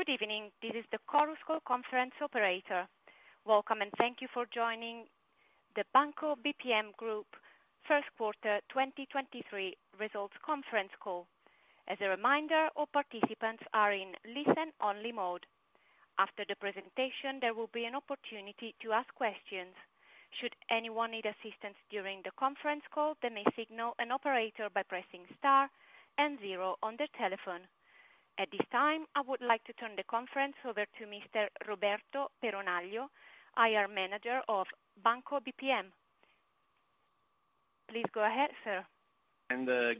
Good evening. This is the Chorus Call conference operator. Welcome, and thank you for joining the Banco BPM Group Q1 2023 results conference call. As a reminder, all participants are in listen only mode. After the presentation, there will be an opportunity to ask questions. Should anyone need assistance during the conference call, they may signal an operator by pressing star and 0 on their telephone. At this time, I would like to turn the conference over to Mr. Roberto Peronaglio, IR manager of Banco BPM. Please go ahead, sir.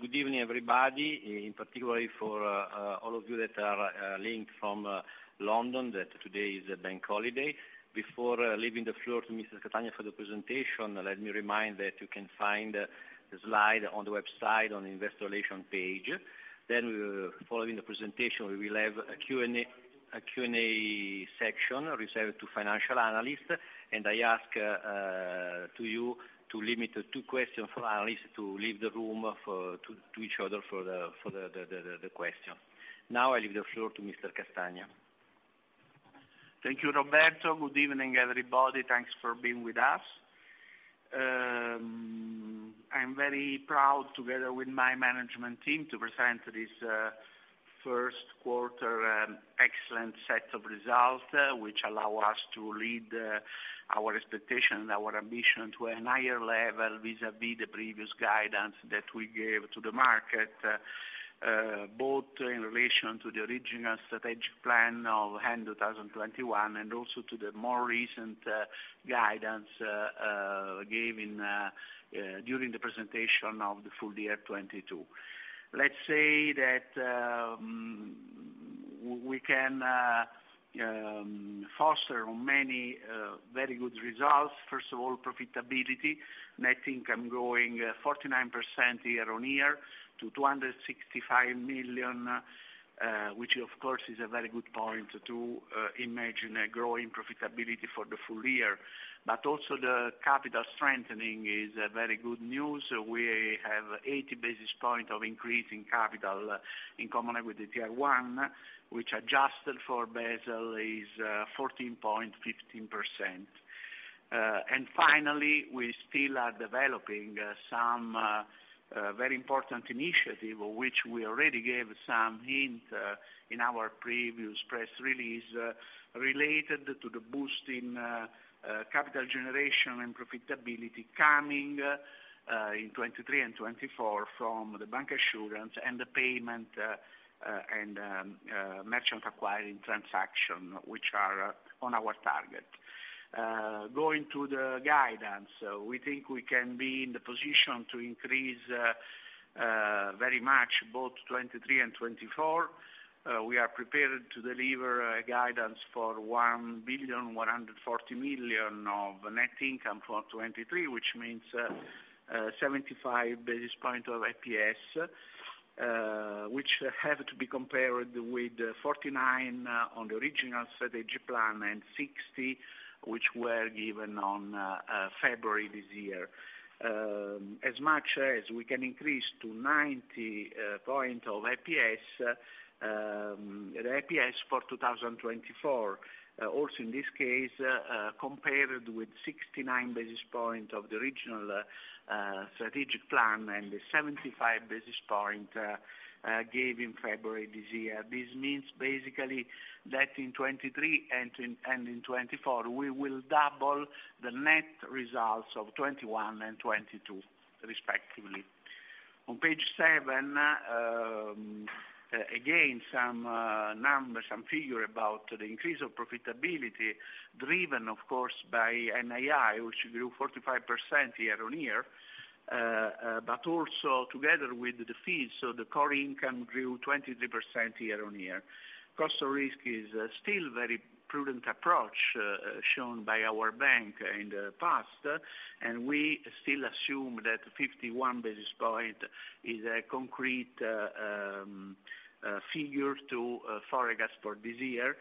Good evening, everybody, in particularly for all of you that are linked from London, that today is a bank holiday. Before leaving the floor to Mr. Castagna for the presentation, let me remind that you can find the slide on the website on investor relation page. We will, following the presentation, we will have a Q&A section reserved to financial analysts. I ask to you to limit to two questions for analysts to leave the room for each other for the question. Now I leave the floor to Mr. Castagna. Thank you, Roberto. Good evening, everybody. Thanks for being with us. I'm very proud together with my management team to present this Q1 excellent set of results, which allow us to lead our expectation and our ambition to a higher level vis-a-vis the previous guidance that we gave to the market, both in relation to the original strategic plan of end 2021 and also to the more recent guidance given during the presentation of the full year 2022. Let's say that we can foster many very good results. First of all, profitability. Net income growing 49% year-on-year to 265 million, which of course is a very good point to imagine a growing profitability for the full year. Also the capital strengthening is a very good news. We have 80 basis points of increase in capital in Common Equity Tier 1, which adjusted for Basel is 14.15%. Finally, we still are developing some very important initiative, which we already gave some hint in our previous press release, related to the boost in capital generation and profitability coming in 2023 and 2024 from the bank assurance and the payment and merchant acquiring transaction, which are on our target. Going to the guidance, we think we can be in the position to increase very much both 2023 and 2024. we are prepared to deliver a guidance for 1,140 million of net income for 2023, which means 75 basis point of EPS, which have to be compared with 49 on the original strategy plan and 60, which were given on February this year. as much as we can increase to 90 point of EPS for 2024. also in this case, compared with 69 basis point of the original strategic plan and the 75 basis point gave in February this year. This means basically that in 2023 and in 2024, we will double the net results of 2021 and 2022 respectively. On page 7, again, some numbers, some figure about the increase of profitability, driven of course by NII, which grew 45% year-on-year, also together with the fees. The core income grew 23% year-on-year. Cost of risk is still very prudent approach shown by our bank in the past, we still assume that 51 basis point is a concrete figure to forecast for this year,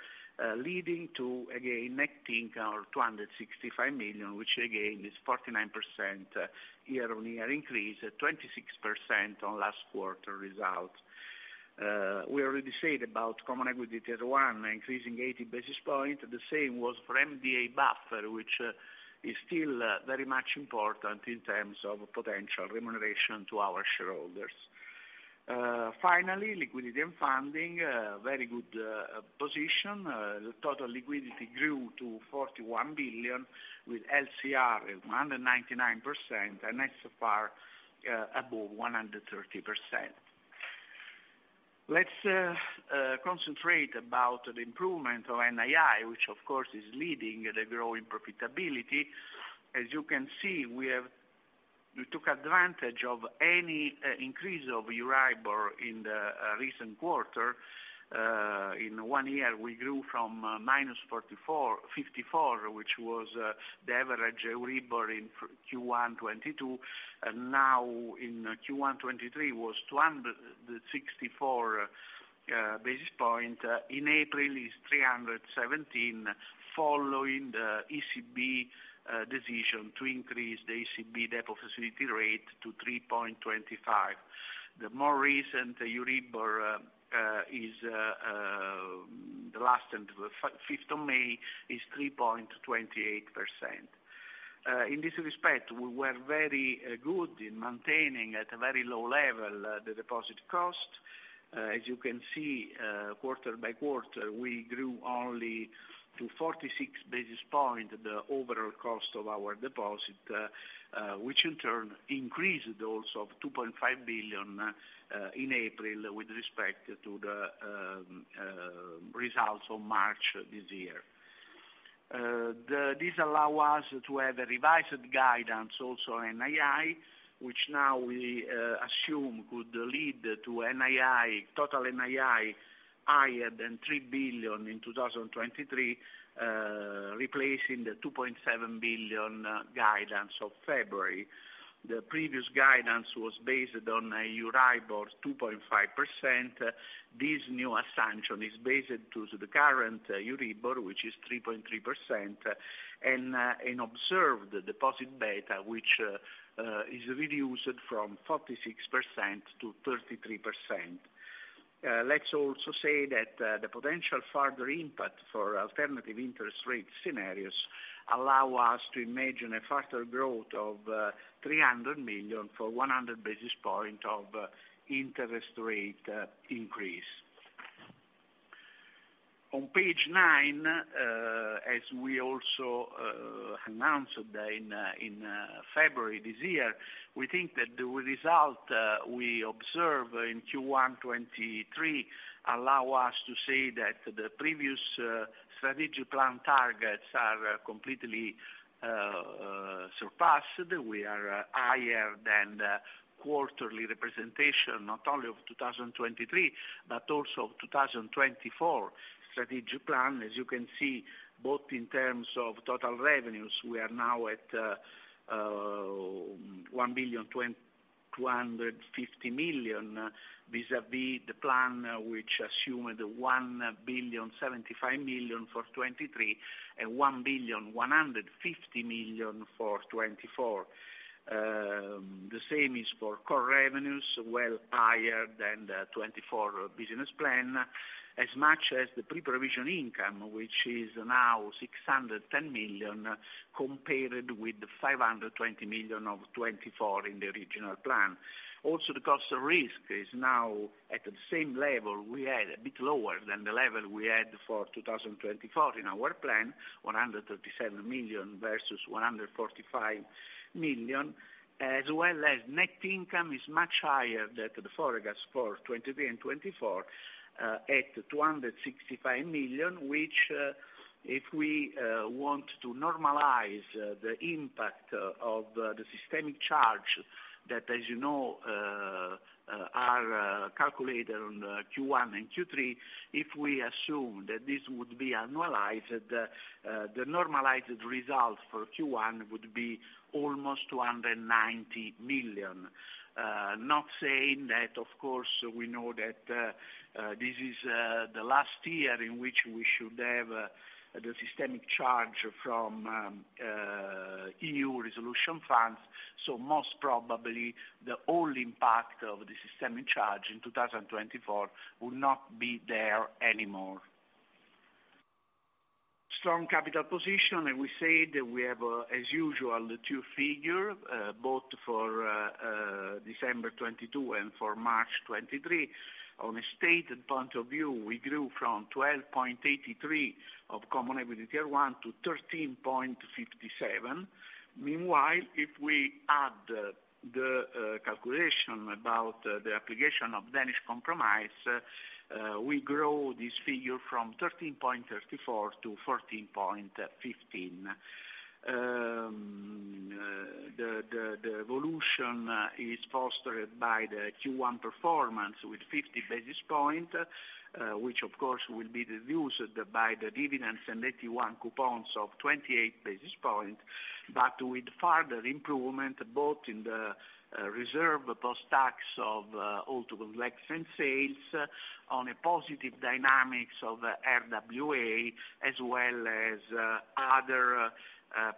leading to, again, net income of 265 million, which again is 49% year-on-year increase, 26% on last quarter results. We already said about Common Equity Tier 1 increasing 80 basis point. The same was for MDA buffer, which is still very much important in terms of potential remuneration to our shareholders. Finally, liquidity and funding, very good position. The total liquidity grew to 41 billion, with LCR at 199% and SFR above 130%. Let's concentrate about the improvement of NII, which of course is leading the growing profitability. As you can see, we took advantage of any increase of Euribor in the recent quarter. In one year, we grew from minus 44, 54, which was the average Euribor in Q1 2022, and now in Q1 2023 was 264 basis point. In April is 317 following the ECB decision to increase the ECB deposit facility rate to 3.25%. The more recent Euribor is 5th of May is 3.28%. In this respect, we were very good in maintaining at a very low level the deposit cost. As you can see, quarter-by-quarter, we grew only to 46 basis point the overall cost of our deposit, which in turn increased also of 2.5 billion in April with respect to the results of March this year. This allow us to have a revised guidance also NII, which now we assume could lead to NII, total NII higher than 3 billion in 2023, replacing the 2.7 billion guidance of February. The previous guidance was based on a EURIBOR 2.5%. This new assumption is based to the current EURIBOR, which is 3.3%, and observed the deposit beta, which is reduced from 46- 33%. Let's also say that the potential further impact for alternative interest rate scenarios allow us to imagine a further growth of 300 million for 100 basis points of interest rate increase. On page 9, as we also announced in February this year, we think that the result we observe in Q1 2023 allow us to say that the previous strategic plan targets are completely surpassed. We are higher than the quarterly representation not only of 2023, but also of 2024 strategic plan. As you can see, both in terms of total revenues, we are now at 1.25 billion vis-à-vis the plan which assumed 1.075 billion for 2023, and 1.15 billion for 2024. The same is for core revenues, well higher than the 2024 business plan, as much as the pre-provision income, which is now 610 million compared with the 520 million of 2024 in the original plan. s now at the same level we had, a bit lower than the level we had for 2024 in our plan, 137 million versus 145 million, as well as net income is much higher than the forecast for 2023 and 2024, at 265 million, which, if we want to normalize the impact of the systemic charge that, as you know, are calculated on Q1 and Q3, if we assume that this would be annualized, the normalized result for Q1 would be almost 290 million Uh, not saying that, of course, we know that, uh, uh, this is, uh, the last year in which we should have, uh, the systemic charge from, um, uh, EU resolution funds, so most probably the whole impact of the systemic charge in two thousand twenty-four will not be there anymore. Strong capital position, and we said we have, uh, as usual, the two figure, uh, both for, uh, uh, December twenty-two and for March twenty-three. On a stated point of view, we grew from twelve point eighty-three of common equity tier one to thirteen point fifty-seven. Meanwhile, if we add the, the, uh, calculation about, uh, the application of Danish compromise, uh, we grow this figure from thirteen point 34 to 14.15. The evolution is fostered by the Q1 performance with 50 basis points, which of course will be reduced by the dividends and AT1 coupons of 28 basis points, but with further improvement both in the reserve post-tax of all to collect and sales on a positive dynamics of RWA as well as other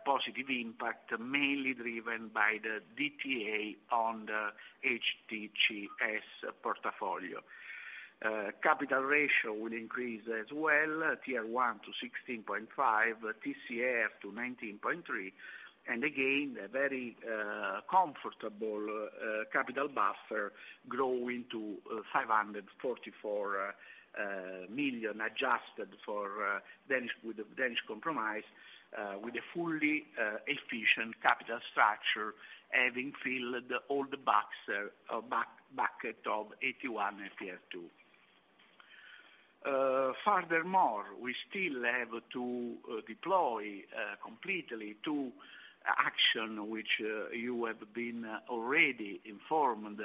positive impact mainly driven by the DTA on the HTM portfolio. Capital ratio will increase as well, Tier 1 to 16.5%, TCR to 19.3%, and again, a very comfortable capital buffer growing to 544 million adjusted for Danish, with the Danish Compromise, with a fully efficient capital structure having filled all the boxer, bucket of AT1 and Tier 2. Furthermore, we still have to deploy completely two action which you have been already informed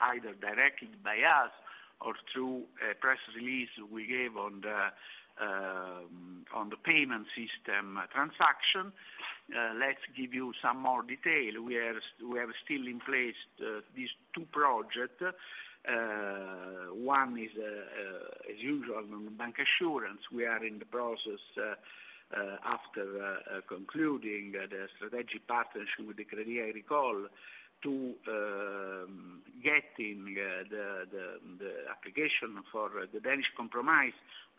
either directly by us or through a press release we gave on the payment system transaction. Let's give you some more detail. We have still in place these two project. One is, as usual, bank assurance. We are in the process, after concluding the strategic partnership with the Crédit Agricole to getting the application for the Danish Compromise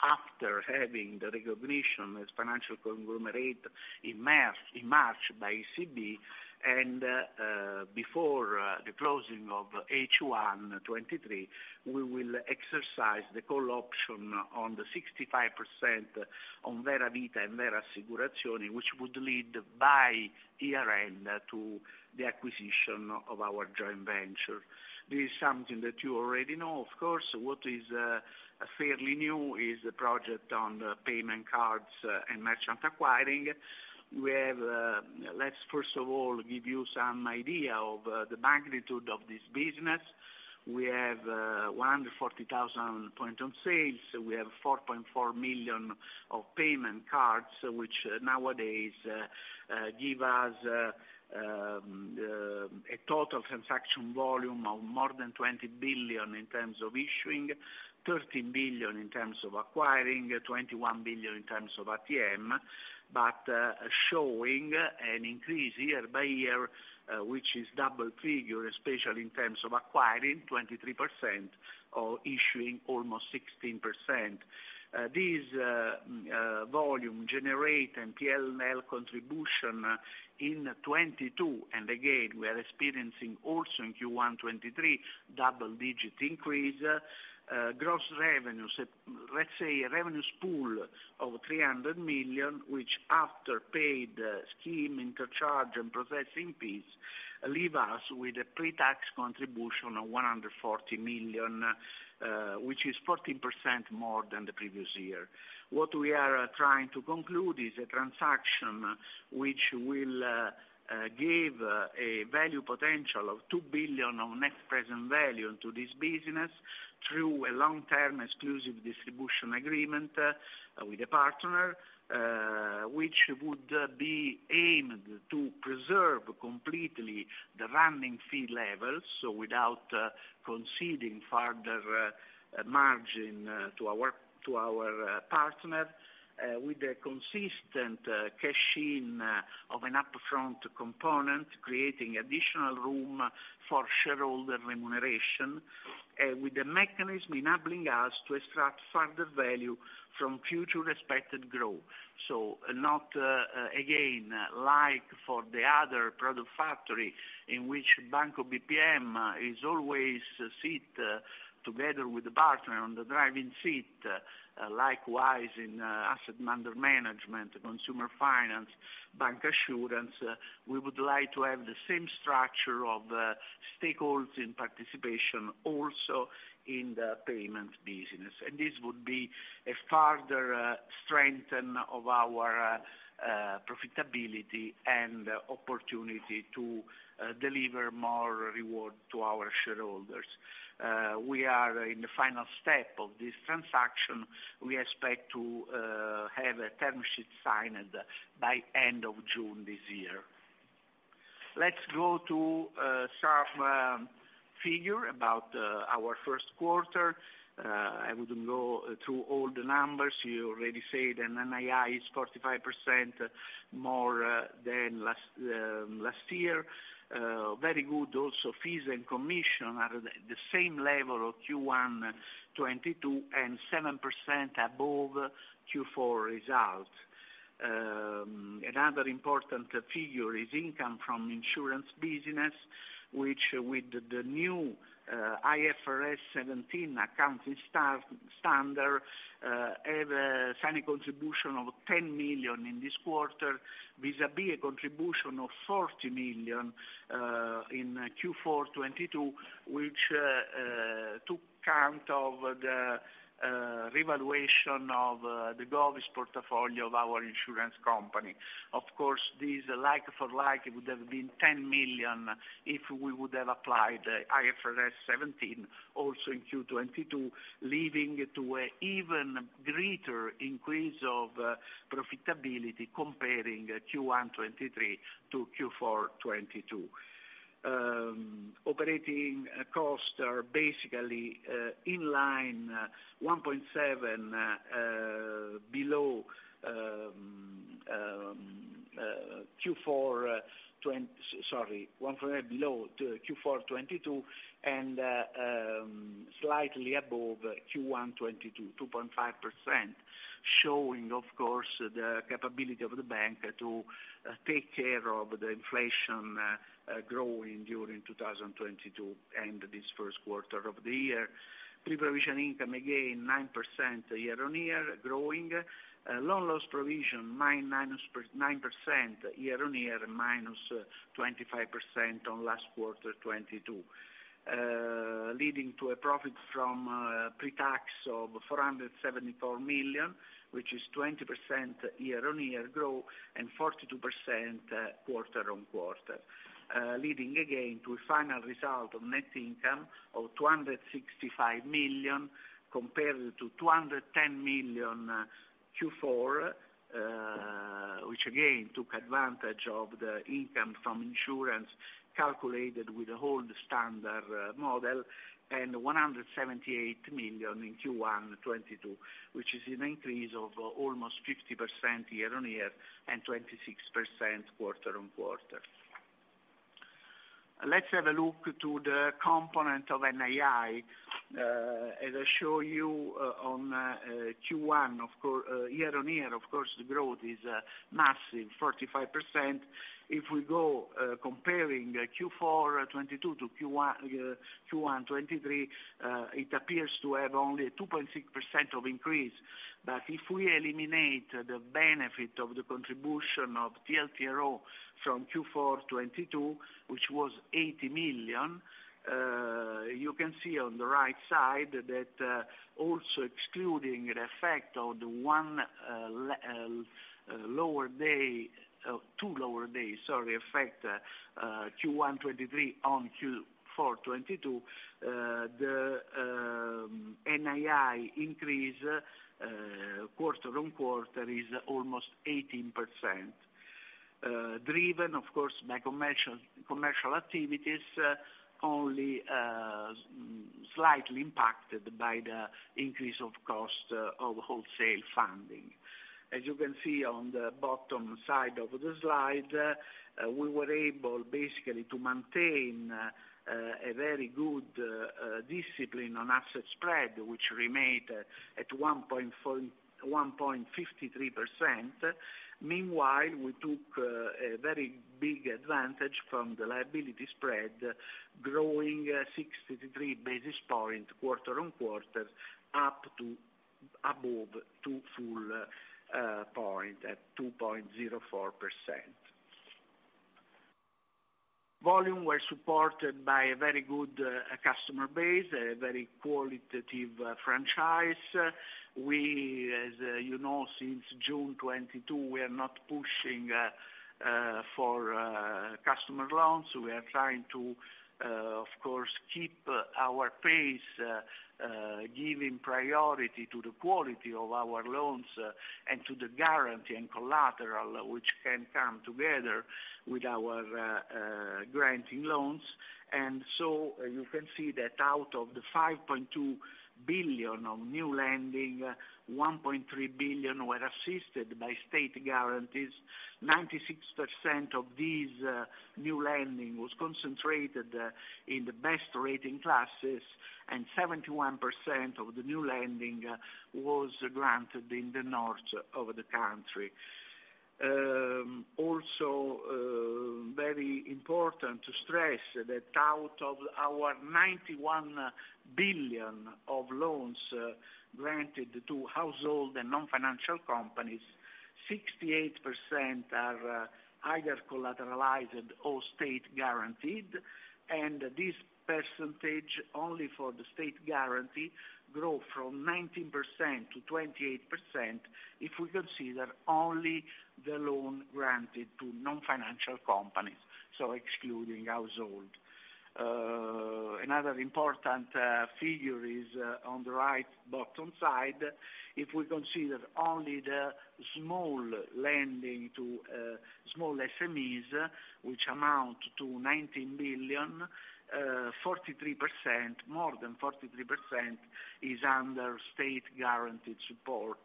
after having the recognition as financial conglomerate in March by ECB and before the closing of H1 2023, we will exercise the call option on the 65% on Vera Vita and Vera Assicurazioni, which would lead by year-end to the acquisition of our joint venture. This is something that you already know, of course. What is fairly new is the project on the payment cards and merchant acquiring. We have, let's first of all give you some idea of the magnitude of this business. We have 140,000 point on sales. We have 4.4 million of payment cards, which nowadays give us a total transaction volume of more than 20 billion in terms of issuing, 13 billion in terms of acquiring, 21 billion in terms of ATM. Showing an increase year by year, which is double figure, especially in terms of acquiring 23% or issuing almost 16%. These volume generate and PNL contribution in 2022, and again we are experiencing also in Q1 2023 double digit increase. Gross revenues, let's say revenues pool of 300 million, which after paid scheme, interchange, and processing fees, leave us with a pre-tax contribution of 140 million, which is 14% more than the previous year. What we are trying to conclude is a transaction which will give a value potential of 2 billion of net present value to this busine ss through a long-term exclusive distribution agreement with a partner which would be aimed to preserve completely the running fee levels. Without conceding further margin to our, to our partner, with a consistent cash-in of an upfront component, creating additional room for shareholder remuneration with a mechanism enabling us to extract further value from future respected growth. Not, again, like for the other product factory in which Banco BPM is always sit together with a partner on the driving seat. Likewise, in asset under management, consumer finance, bank assurance, we would like to have the same structure of stakeholders in participation also in the payment business. This would be a further strengthen of our profitability and opportunity to deliver more reward to our shareholders. We are in the final step of this transaction. We expect to have a term sheet signed by end of June this year. Let's go to some figure about our Q1. I wouldn't go through all the numbers. You already said an NII is 45% more than last last year. Very good also fees and commission are the same level of Q1 2022 and 7% above Q4 results. Another important figure is income from insurance business, which with the new IFRS 17 accounting standard, have a semi contribution of 10 million in this quarter, vis-à-vis a contribution of 40 million in Q4 2022, which took count of the revaluation of the govies portfolio of our insurance company. Of course, this like for like it would have been 10 million if we would have applied IFRS 17 also in Q 2022, leaving to an even greater increase of profitability comparing Q1 2023 to Q4 2022. Operating costs are basically in line 1.7, sorry, 1 below Q4 2022 and slightly above Q1 2022, 2.5%, showing of course the capability of the bank to take care of the inflation growing during 2022 and this Q1 of the year. Pre-provision income again 9% year-on-year growing. Loan loss provision 9% year-on-year, minus 25% on last quarter 2022. Leading to a profit from pre-tax of 474 million, which is 20% year-on-year growth and 42% quarter-on-quarter. Leading again to a final result of net income of 265 million compared to 210 million Q4. Which again, took advantage of the income from insurance calculated with the old standard, model and 178 million in Q1 2022, which is an increase of almost 50% year-on-year and 26% quarter-on-quarter. Let's have a look to the component of NII. As I show you on Q1, year-on-year, of course, the growth is massive, 45%. If we go comparing Q4 2022 to Q1 2023, it appears to have only a 2.6% of increase. If we eliminate the benefit of the contribution of TLTRO from Q4 2022, which was 80 million, you can see on the right side that also excluding the effect of the one lower day, two lower days, sorry, affect Q1 2023 on Q4 2022, the NII increase quarter-on-quarter is almost 18%, driven of course by commercial activities, only slightly impacted by the increase of cost of wholesale funding. As you can see on the bottom side of the slide, we were able basically to maintain a very good discipline on asset spread, which remained at 1.53%. Meanwhile, we took a very big advantage from the liability spread, growing 63 basis points quarter-on-quarter up to above 2 full point at 2.04%. Volume were supported by a very good customer base, a very qualitative franchise. We, as you know, since June 2022, we are not pushing for customer loans. We are trying to, of course, keep our pace, giving priority to the quality of our loans, and to the guarantee and collateral which can come together with our granting loans. You can see that out of the 5.2 billion of new lending, 1.3 billion were assisted by state guarantees. 96% of these new lending was concentrated in the best rating classes, and 71% of the new lending was granted in the north of the country. Also very important to stress that out of our 91 billion of loans granted to household and non-financial companies, 68% are either collateralized or state guaranteed. This percentage, only for the state guarantee, grow from 19% to 28% if we consider only the loan granted to non-financial companies, so excluding household. Another important figure is on the right bottom side. If we consider only the small lending to small SMEs, which amount to 19 billion, 43%, more than 43% is under state guaranteed support,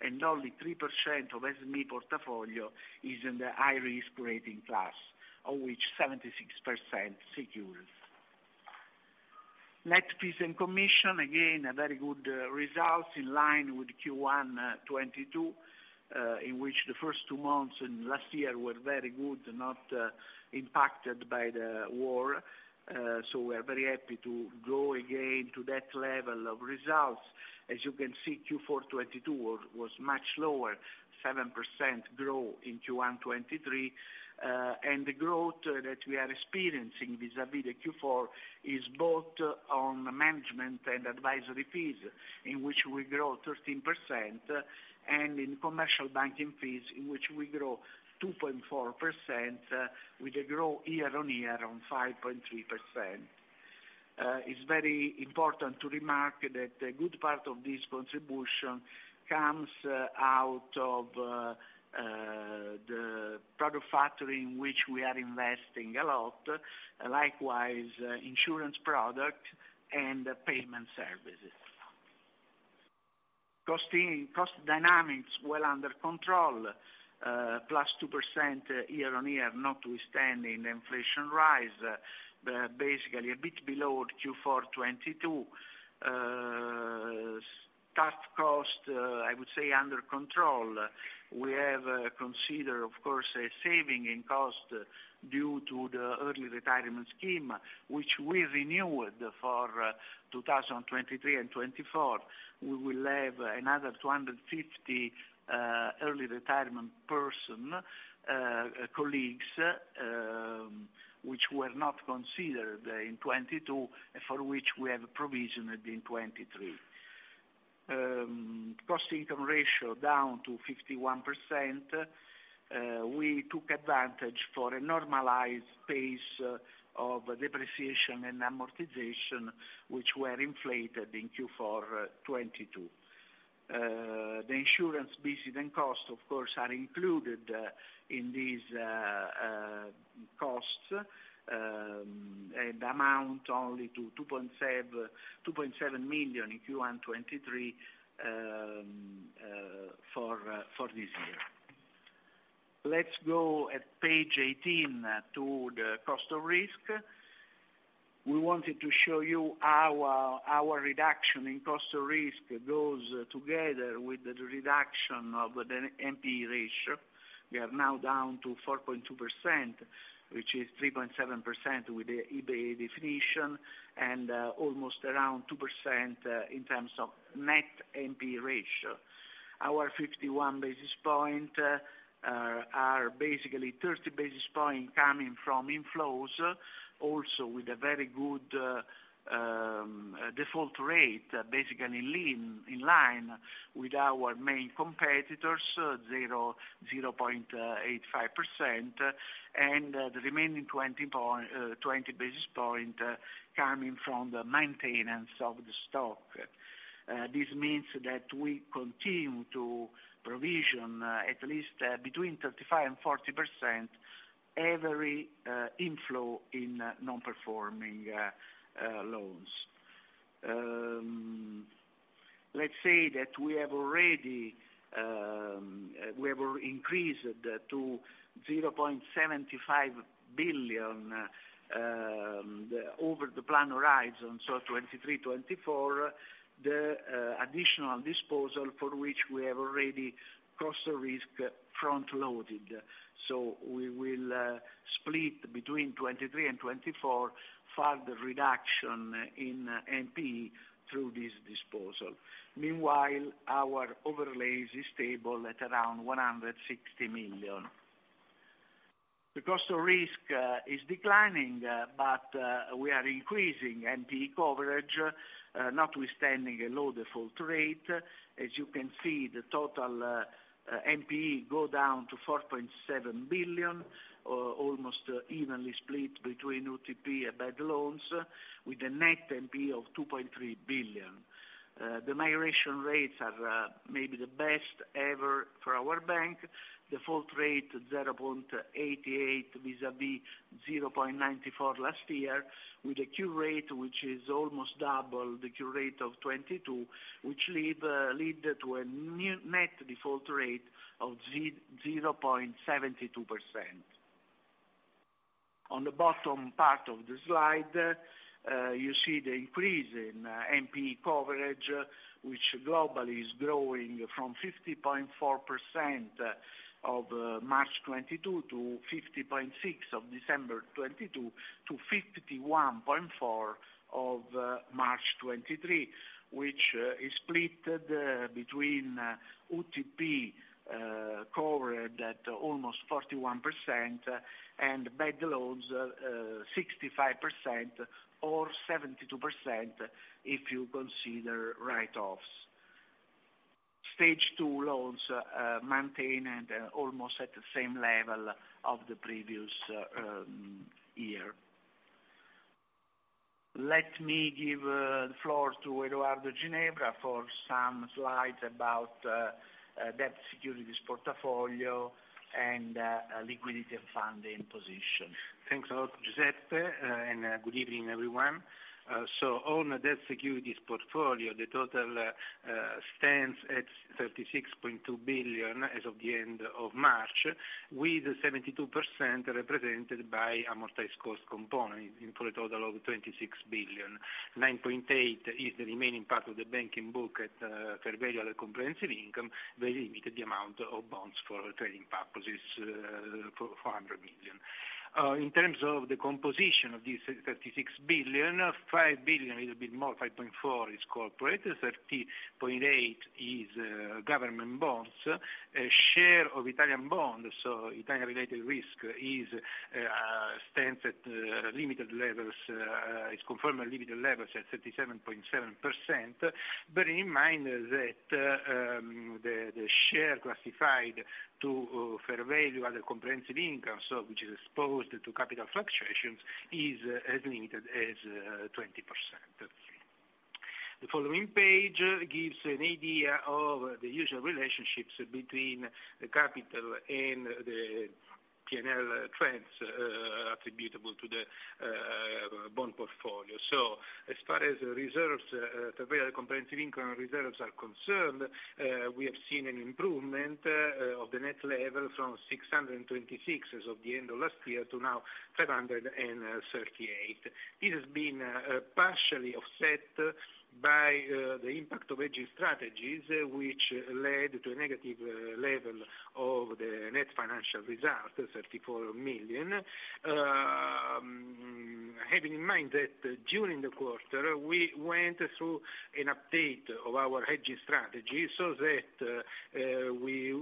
and only 3% of SME portfolio is in the high-risk rating class, of which 76% secures. Net fees and commission, again, a very good results in line with Q1 2022, in which the first two months in last year were very good, not impacted by the war. We are very happy to grow again to that level of results. As you can see, Q4 2022 was much lower, 7% growth in Q1 2023. The growth that we are experiencing vis-à-vis Q4 is both on management and advisory fees, in which we grow 13%, and in commercial banking fees, in which we grow 2.4%, with a growth year-on-year on 5.3%. It's very important to remark that a good part of this contribution comes out of the product factory in which we are investing a lot, likewise, insurance product and payment services. Costing, cost dynamics well under control, +2% year-over-year, notwithstanding the inflation rise, basically a bit below Q4 2022. Staff cost, I would say under control. We have considered, of course, a saving in cost due to the early retirement scheme, which we renewed for 2023 and 2024. We will have another 250 early retirement person colleagues, which were not considered in 2022, for which we have provisioned in 2023. Cost-income ratio down to 51%. We took advantage for a normalized pace of depreciation and amortization, which were inflated in Q4 2022. The insurance visit and cost, of course, are included in these costs, and amount only to 2.7 million if you want 2023 for this year. Let's go at page 18 to the cost of risk. We wanted to show you how our reduction in cost of risk goes together with the reduction of the NPE ratio. We are now down to 4.2%, which is 3.7% with the EBA definition, and almost around 2% in terms of net NPE ratio. Our 51 basis points are basically 30 basis points coming from inflows, also with a very good default rate, basically in line with our main competitors, 0.85%, and the remaining 20 basis points coming from the maintenance of the stock. This means that we continue to provision at least between 35% and 40% every inflow in non-performing loans. Let's say that we have already increased to 0.75 billion over the plan horizon, so 2023, 2024, the additional disposal for which we have already cost the risk front-loaded. We will split between 2023 and 2024 further reduction in NPE through this disposal. Meanwhile, our overlays is stable at around 160 million. The cost of risk is declining, but we are increasing NPE coverage, notwithstanding a low default rate. As you can see, the total NPE go down to 4.7 billion, almost evenly split between UTP and bad loans, with a net NPE of 2.3 billion. The migration rates are maybe the best ever for our bank. Default rate 0.88 vis-à-vis 0.94 last year, with a cure rate which is almost double the cure rate of 2022, which lead to a net default rate of 0.72%. On the bottom part of the slide, you see the increase in NPE coverage, which globally is growing from 50.4% of March 2022 to 50.6 of December 2022, to 51.4 of March 2023, which is split between UTP covered at almost 41% and bad loans 65% or 72% if you consider write-offs. Stage 2 loans maintained and almost at the same level of the previous year. Let me give the floor to Edoardo Ginevra for some slides about debt securities portfolio and liquidity and funding position. Thanks a lot, Giuseppe. Good evening, everyone. On the debt securities portfolio, the total stands at 36.2 billion as of the end of March, with 72% represented by amortized cost component for a total of 26 billion. 9.8 billion is the remaining part of the banking book at fair value at comprehensive income, very limited the amount of bonds for trading purposes, for 400 million. In terms of the composition of this 36 billion, 5 billion, a little bit more, 5.4 billion is corporate, 13.8 billion is government bonds. A share of Italian bonds, Italian-related risk is stands at limited levels, it's confirmed at limited levels at 37.7%. Bearing in mind that, the share classified to fair value at a Comprehensive Income, which is exposed to capital fluctuations, is as limited as 20%. The following page gives an idea of the usual relationships between the capital and the PNL trends attributable to the bond portfolio. As far as the reserves, the fair value Comprehensive Income reserves are concerned, we have seen an improvement of the net level from 626 as of the end of last year to now 538. This has been partially offset by the impact of hedging strategies, which led to a negative level of the Net Financial Result, 34 million. Having in mind that during the quarter, we went through an update of our hedging strategy so that we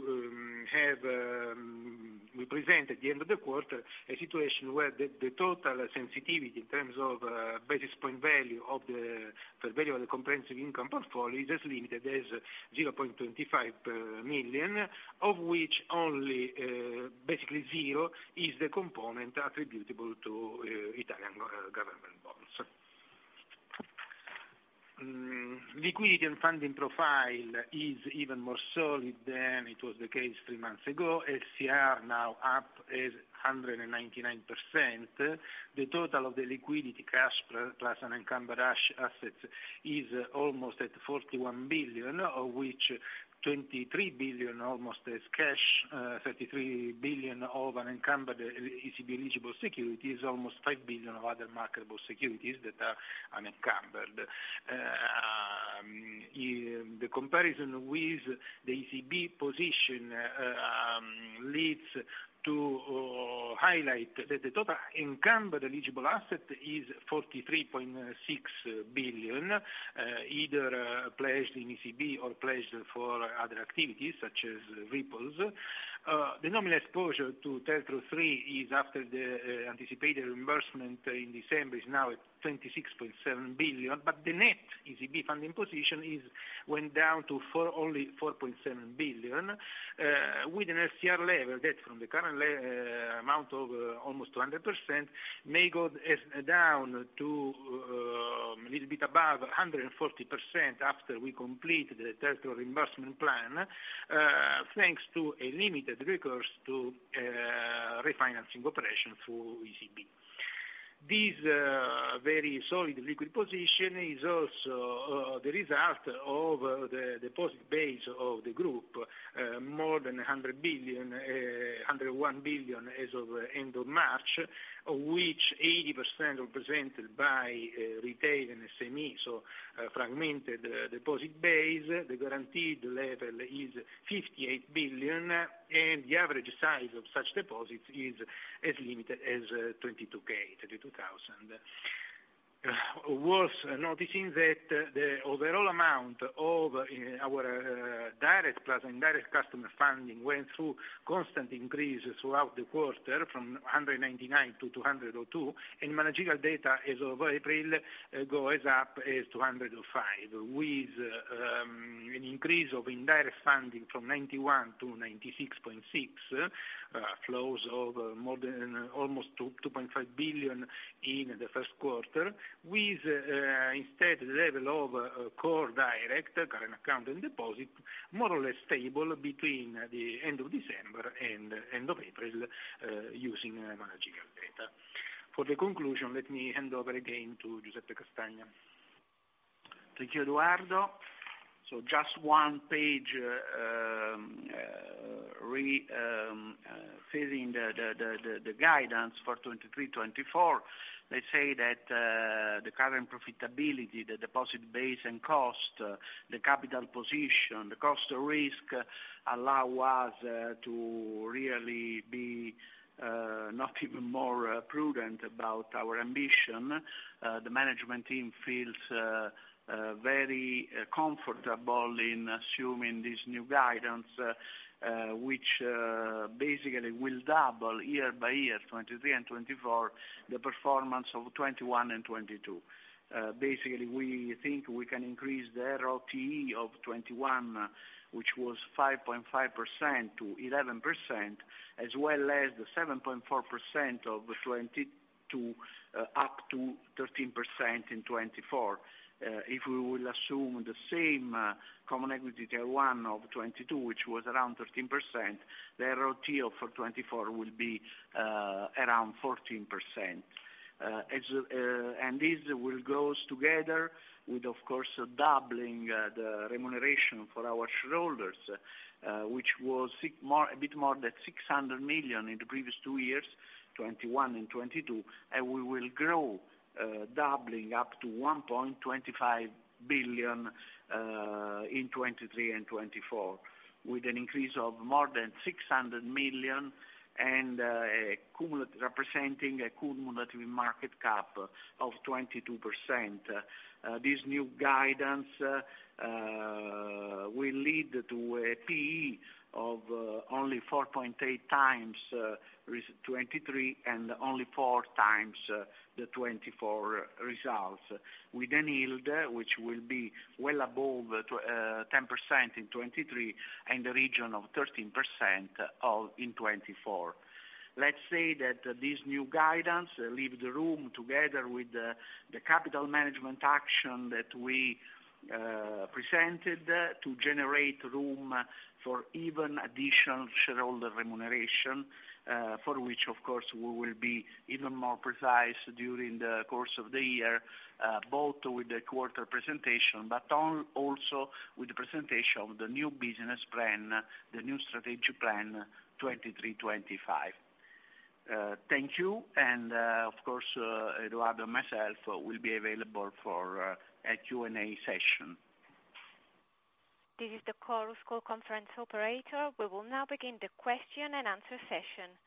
present at the end of the quarter a situation where the total sensitivity in terms of basis point value of the fair value of the comprehensive income portfolio is as limited as 0.25 million, of which only 0 is the component attributable to Italian government. Liquidity and funding profile is even more solid than it was the case three months ago. SCR now up is 199%. The total of the liquidity cash plus unencumbered assets is almost at 41 billion, of which 23 billion almost is cash. 33 billion of unencumbered ECB eligible securities, almost 5 billion of other marketable securities that are unencumbered. In the comparison with the ECB position leads to highlight that the total encumbered eligible asset is 43.6 billion, either pledged in ECB or pledged for other activities such as repos. The nominal exposure to TLTRO III is after the anticipated reimbursement in December, is now at 26.7 billion. The net ECB funding position went down to only 4.7 billion with an SCR level debt from the current amount of almost 200%, may go as down to a little bit above 140% after we complete the TLTRO reimbursement plan thanks to a limited recourse to refinancing operation through ECB. This very solid liquid position is also the result of the deposit base of the group, more than 100 billion, 101 billion as of end of March, of which 80% represented by retail and SME, so a fragmented deposit base. The guaranteed level is 58 billion, and the average size of such deposits is as limited as 22K, 32,000. Worth noticing that the overall amount of our direct plus indirect customer funding went through constant increases throughout the quarter from 199 to 202. Managerial data as of April goes up as to 105, with an increase of indirect funding from 91 to 96.6, flows of more than almost 2.5 billion in the Q1, with instead level of core direct current account and deposit, more or less stable between the end of December and end of April, using managerial data. For the conclusion, let me hand over again to Giuseppe Castagna. Thank you, Eduardo. Just one page, refilling the guidance for 2023, 2024. Let's say that the current profitability, the deposit base and cost, the capital position, the cost of risk allow us to really be not even more prudent about our ambition. The management team feels very comfortable in assuming this new guidance, which basically will double year by year, 2023 and 2024, the performance of 2021 and 2022. Basically, we think we can increase the RoTE of 2021, which was 5.5-11%, as well as the 7.4% of 2022, up to 13% in 2024. If we will assume the same Common Equity Tier 1 of 2022, which was around 13%, the RoTE of 2024 will be around 14%. This will goes together with, of course, doubling the remuneration for our shareholders, which was a bit more than 600 million in the previous two years, 2021 and 2022. We will grow, doubling up to 1.25 billion in 2023 and 2024, with an increase of more than 600 million and a cumulative, representing a cumulative market cap of 22%. This new guidance will lead to a PE of only 4.8x 2023 and only 4x the 2024 results. With an yield, which will be well above 10% in 2023 and a region of 13% of, in 2024. Let's say that this new guidance leave the room together with the capital management action that we presented to generate room for even additional shareholder remuneration, for which of course, we will be even more precise during the course of the year, both with the quarter presentation, also with the presentation of the new business plan, the new strategic plan 2023-2025. Thank you. Of course, Eduardo and myself will be available for a Q&A session. This is the Chorus Call Conference Operator. We will now begin the question and answer session.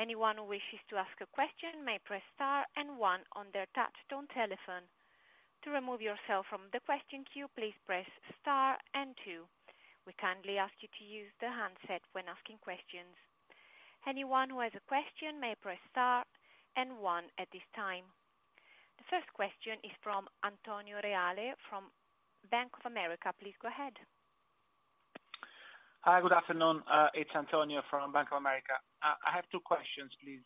Anyone who wishes to ask a question may press star and one on their touchtone telephone. To remove yourself from the question queue, please press star and two. We kindly ask you to use the handset when asking questions. Anyone who has a question may press star and one at this time. The first question is from Antonio Reale from Bank of America. Please go ahead. Hi, good afternoon. It's Antonio from Bank of America. I have two questions, please.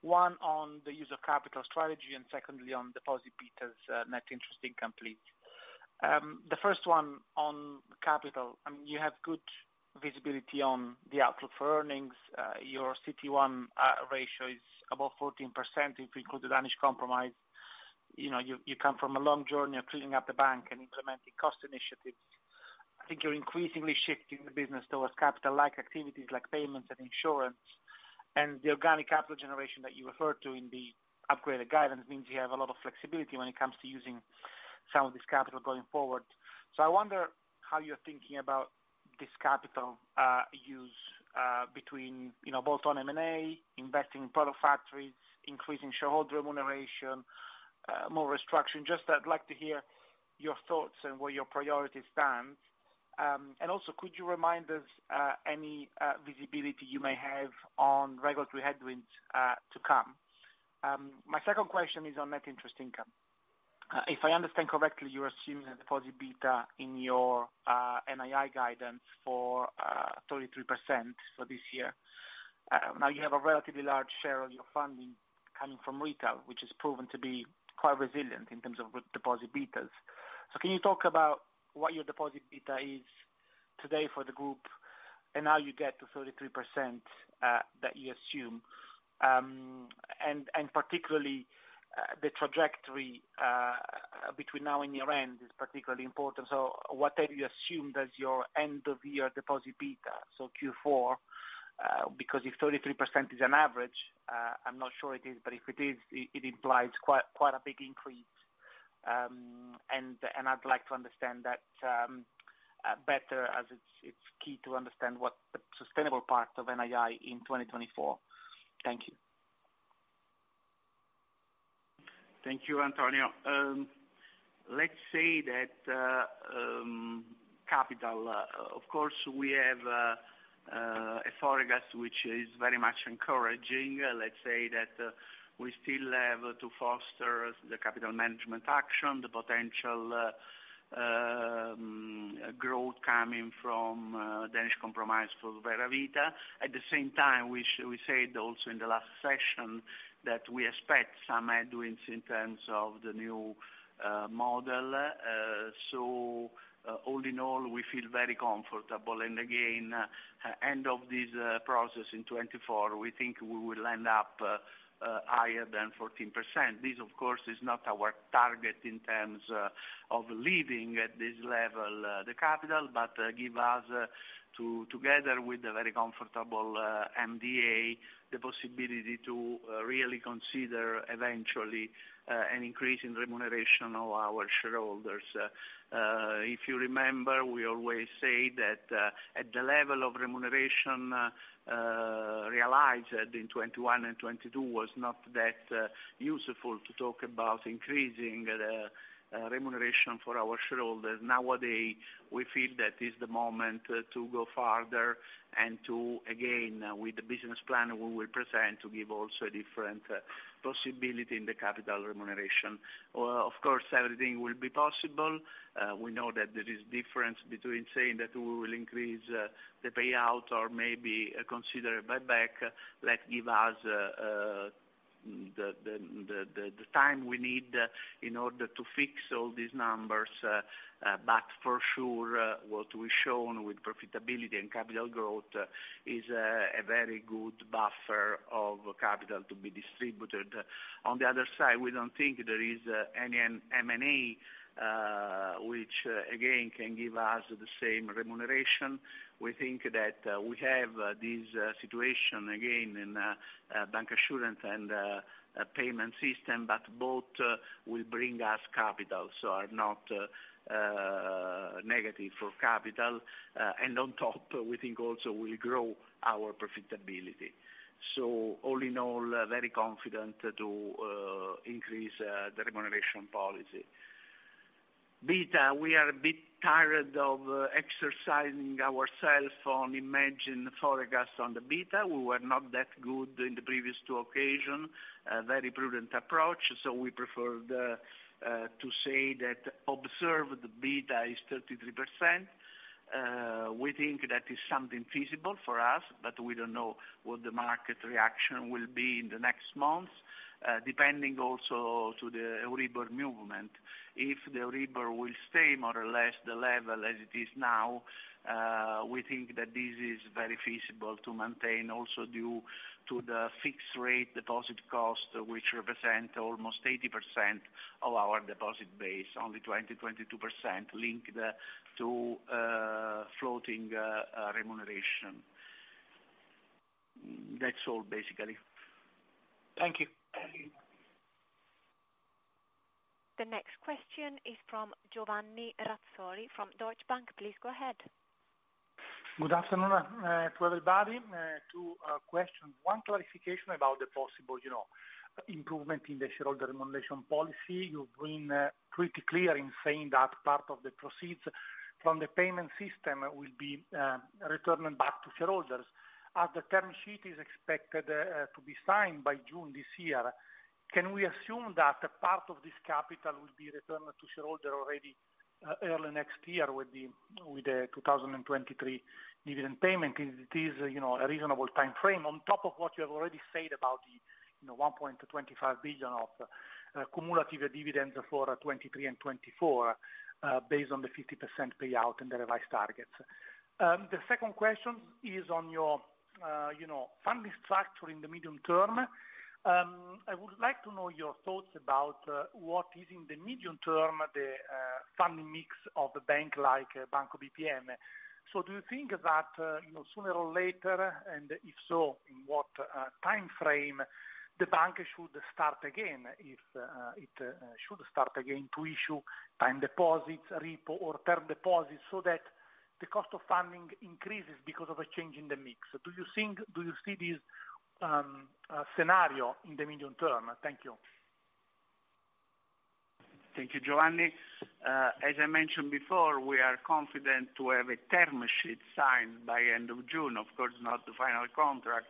One on the use of capital strategy, and secondly on deposit betas, net interest income, please. The first one on capital, you have good visibility on the outlook for earnings. Your CT1 ratio is above 14% if you include the Danish Compromise. You know, you come from a long journey of cleaning up the bank and implementing cost initiatives. I think you're increasingly shifting the business towards capital-like activities like payments and insurance, and the organic capital generation that you referred to in the upgraded guidance means you have a lot of flexibility when it comes to using some of this capital going forward. I wonder how you're thinking about this capital use between, you know, bolt-on M&A, investing in product factories, increasing shareholder remuneration, more restructuring. Just I'd like to hear your thoughts and where your priorities stand. Could you remind us any visibility you may have on regulatory headwinds to come? My second question is on net interest income. If I understand correctly, you assume that deposit beta in your NII guidance for 33% for this year. You have a relatively large share of your funding coming from retail, which has proven to be quite resilient in terms of deposit betas. Can you talk about what your deposit beta is today for the group, and how you get to 33% that you assume, and particularly the trajectory between now and year-end is particularly important. Whatever you assumed as your end-of-year deposit beta, Q4, because if 33% is an average, I'm not sure it is, but if it is, it implies quite a big increase. And I'd like to understand that better as it's key to understand what the sustainable part of NII in 2024. Thank you. Thank you, Antonio. Let's say that capital, of course, we have a forecast which is very much encouraging. Let's say that we still have to foster the capital management action, the potential growth coming from Danish Compromise for Vera Vita. At the same time, we said also in the last session that we expect some headwinds in terms of the new model, all in all, we feel very comfortable. Again, end of this process in 2024, we think we will end up higher than 14%. This, of course, is not our target in terms of leaving at this level the capital, but give us together with the very comfortable MDA, the possibility to really consider eventually an increase in remuneration of our shareholders. If you remember, we always say that at the level of remuneration realized in 2021 and 2022 was not that useful to talk about increasing the remuneration for our shareholders. Nowadays, we feel that is the moment to go farther and to, again, with the business plan we will present, to give also a different possibility in the capital remuneration. Of course, everything will be possible. We know that there is difference between saying that we will increase the payout or maybe consider a buyback. Let give us the time we need in order to fix all these numbers, but for sure, what we've shown with profitability and capital growth is a very good buffer of capital to be distributed. On the other side, we don't think there is any M&A, which again, can give us the same remuneration. We think that we have this situation again in bank assurance and payment system, but both will bring us capital, so are not negative for capital. On top, we think also will grow our profitability. All in all, very confident to increase the remuneration policy. Beta, we are a bit tired of exercising ourself on imagined forecast on the beta. We were not that good in the previous two occasion. Very prudent approach, so we prefer to say that observed beta is 33%. We think that is something feasible for us. We don't know what the market reaction will be in the next months, depending also to the Euribor movement. If the Euribor will stay more or less the level as it is now, we think that this is very feasible to maintain also due to the fixed rate deposit cost, which represent almost 80% of our deposit base, only 20-22% linked to floating remuneration. That's all, basically. Thank you. The next question is from Giovanni Razzoli from Deutsche Bank. Please go ahead. Good afternoon to everybody. two questions. One clarification about the possible, you know, improvement in the shareholder remuneration policy. You've been pretty clear in saying that part of the proceeds from the payment system will be returning back to shareholders. As the term sheet is expected to be signed by June this year, can we assume that a part of this capital will be returned to shareholder already next year? Early next year with the 2023 dividend payment, it is, you know, a reasonable timeframe on top of what you have already said about the, you know, 1.25 billion of cumulative dividends for 2023 and 2024, based on the 50% payout and the revised targets. The second question is on your, you know, funding structure in the medium term. I would like to know your thoughts about what is in the medium term, the funding mix of the bank like Banco BPM. Do you think that, you know, sooner or later, and if so, in what timeframe, the bank should start again if it should start again to issue time deposits, repo or term deposits so that the cost of funding increases because of a change in the mix? Do you see this scenario in the medium term? Thank you. Thank you, Giovanni. As I mentioned before, we are confident to have a term sheet signed by end of June. Of course, not the final contract,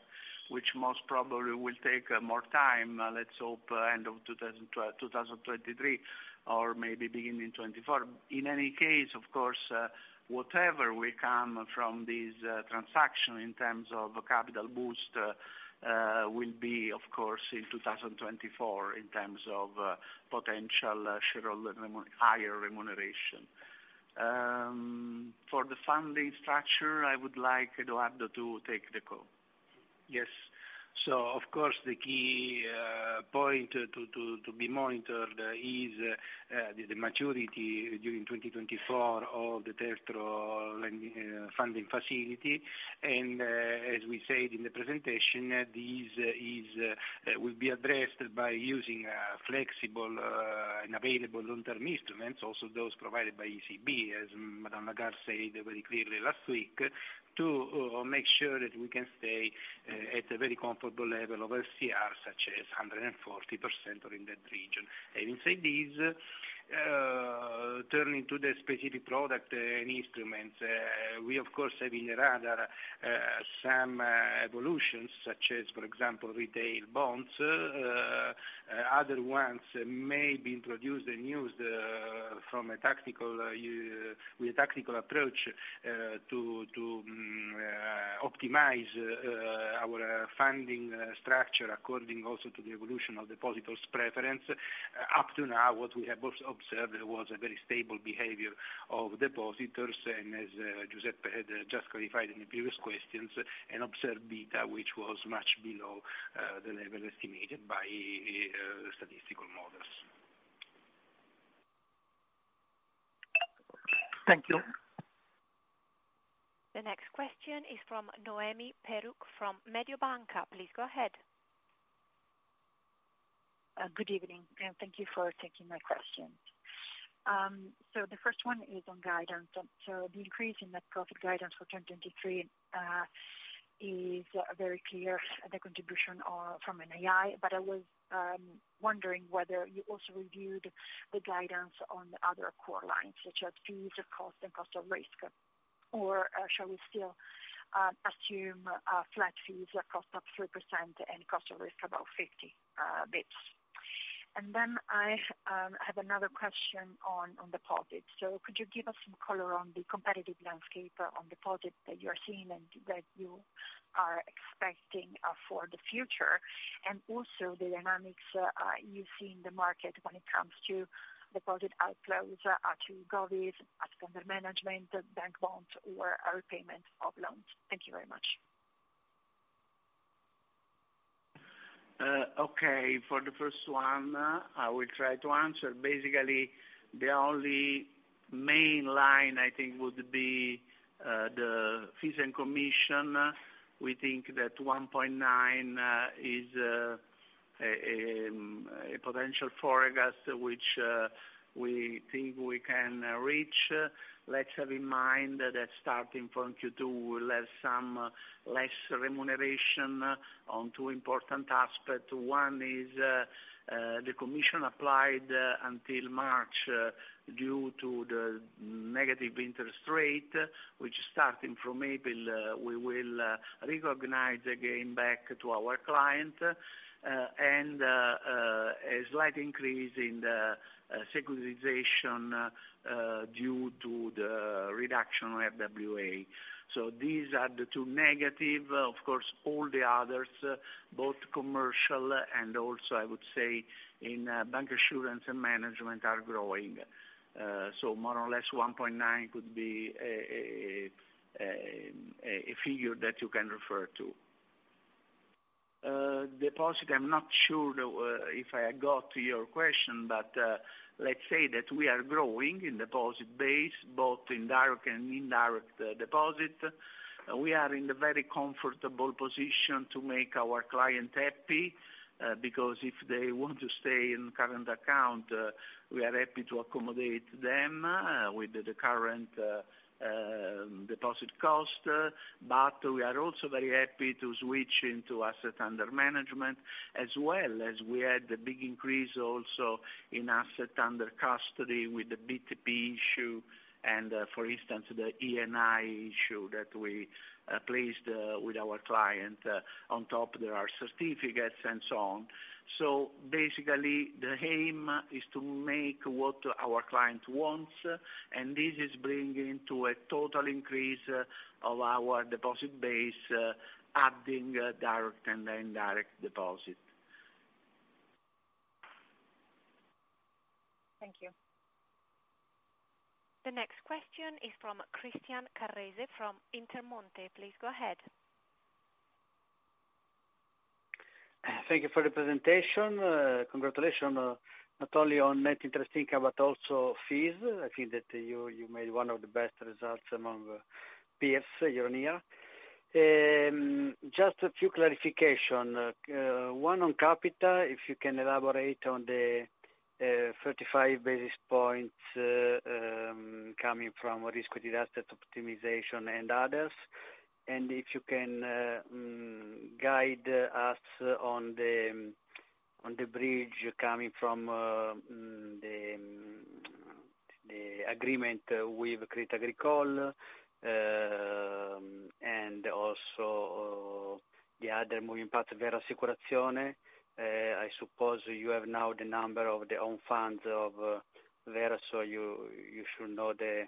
which most probably will take more time. Let's hope, end of 2023 or maybe beginning 2024. In any case, of course, whatever will come from this transaction in terms of capital boost, will be of course in 2024 in terms of potential shareholder higher remuneration. For the funding structure, I would like Edoardo to take the call. Yes. Of course, the key point to be monitored is the maturity during 2024 of the TLTRO lending funding facility. As we said in the presentation, this will be addressed by using flexible and available long-term instruments, also those provided by ECB, as Madame Lagarde said very clearly last week, to make sure that we can stay at a very comfortable level of LCR, such as 140% or in that region. Having said this, turning to the specific product and instruments, we of course have in the radar some evolutions such as, for example, retail bonds. Other ones may be introduced and used from a tactical with a tactical approach to optimize our funding structure according also to the evolution of depositors' preference. Up to now, what we have observed was a very stable behavior of depositors, and as Giuseppe had just clarified in the previous questions, an observed beta which was much below the level estimated by statistical models. Thank you. The next question is from Noemi Peruch from Mediobanca. Please go ahead. Good evening, thank you for taking my questions. The first one is on guidance. The increase in net profit guidance for 2023 is very clear the contribution from NII, but I was wondering whether you also reviewed the guidance on the other core lines, such as fees, cost and cost of risk. Shall we still assume flat fees, a cost of 3% and cost of risk about 50 basis points. I have another question on deposits. Could you give us some color on the competitive landscape on deposit that you are seeing and that you are expecting for the future, and also the dynamics you see in the market when it comes to deposit outflows to govies, asset under management, bank bonds or repayment of loans. Thank you very much. Okay. For the first one, I will try to answer. Basically, the only main line I think would be the fees and commission. We think that 1.9 is a potential forecast, which we think we can reach. Let's remind that starting from Q2, we will have some less remuneration on two important aspects. One is the commission applied until March, due to the negative interest rate, which starting from April, we will recognize again back to our client, and a slight increase in the securitization due to the reduction of RWA. These are the two negative. Of course, all the others, both commercial and also I would say in bank assurance and management are growing. More or less 1.9 could be a figure that you can refer to. Deposit, I'm not sure if I got your question, let's say that we are growing in deposit base, both in direct and indirect deposit. We are in the very comfortable position to make our client happy, because if they want to stay in current account, we are happy to accommodate them with the current deposit cost. We are also very happy to switch into asset under management as well as we had a big increase also in asset under custody with the BTP issue For instance, the Eni issue that we placed with our client. On top there are certificates and so on. Basically, the aim is to make what our client wants, and this is bringing to a total increase of our deposit base, adding direct and indirect deposit. Thank you. The next question is from Christian Carrese from Intermonte, please go ahead. Thank you for the presentation. Congratulations not only on net interest income, but also fees. I think that you made one of the best results among peers, EURONIA. Just a few clarification. One on capital. If you can elaborate on the 35 basis points coming from risk-adjusted optimization and others. If you can guide us on the bridge coming from the agreement with Crédit Agricole. Also, the other moving parts, Vera Assicurazioni. I suppose you have now the number of the own funds of Vera, so you should know the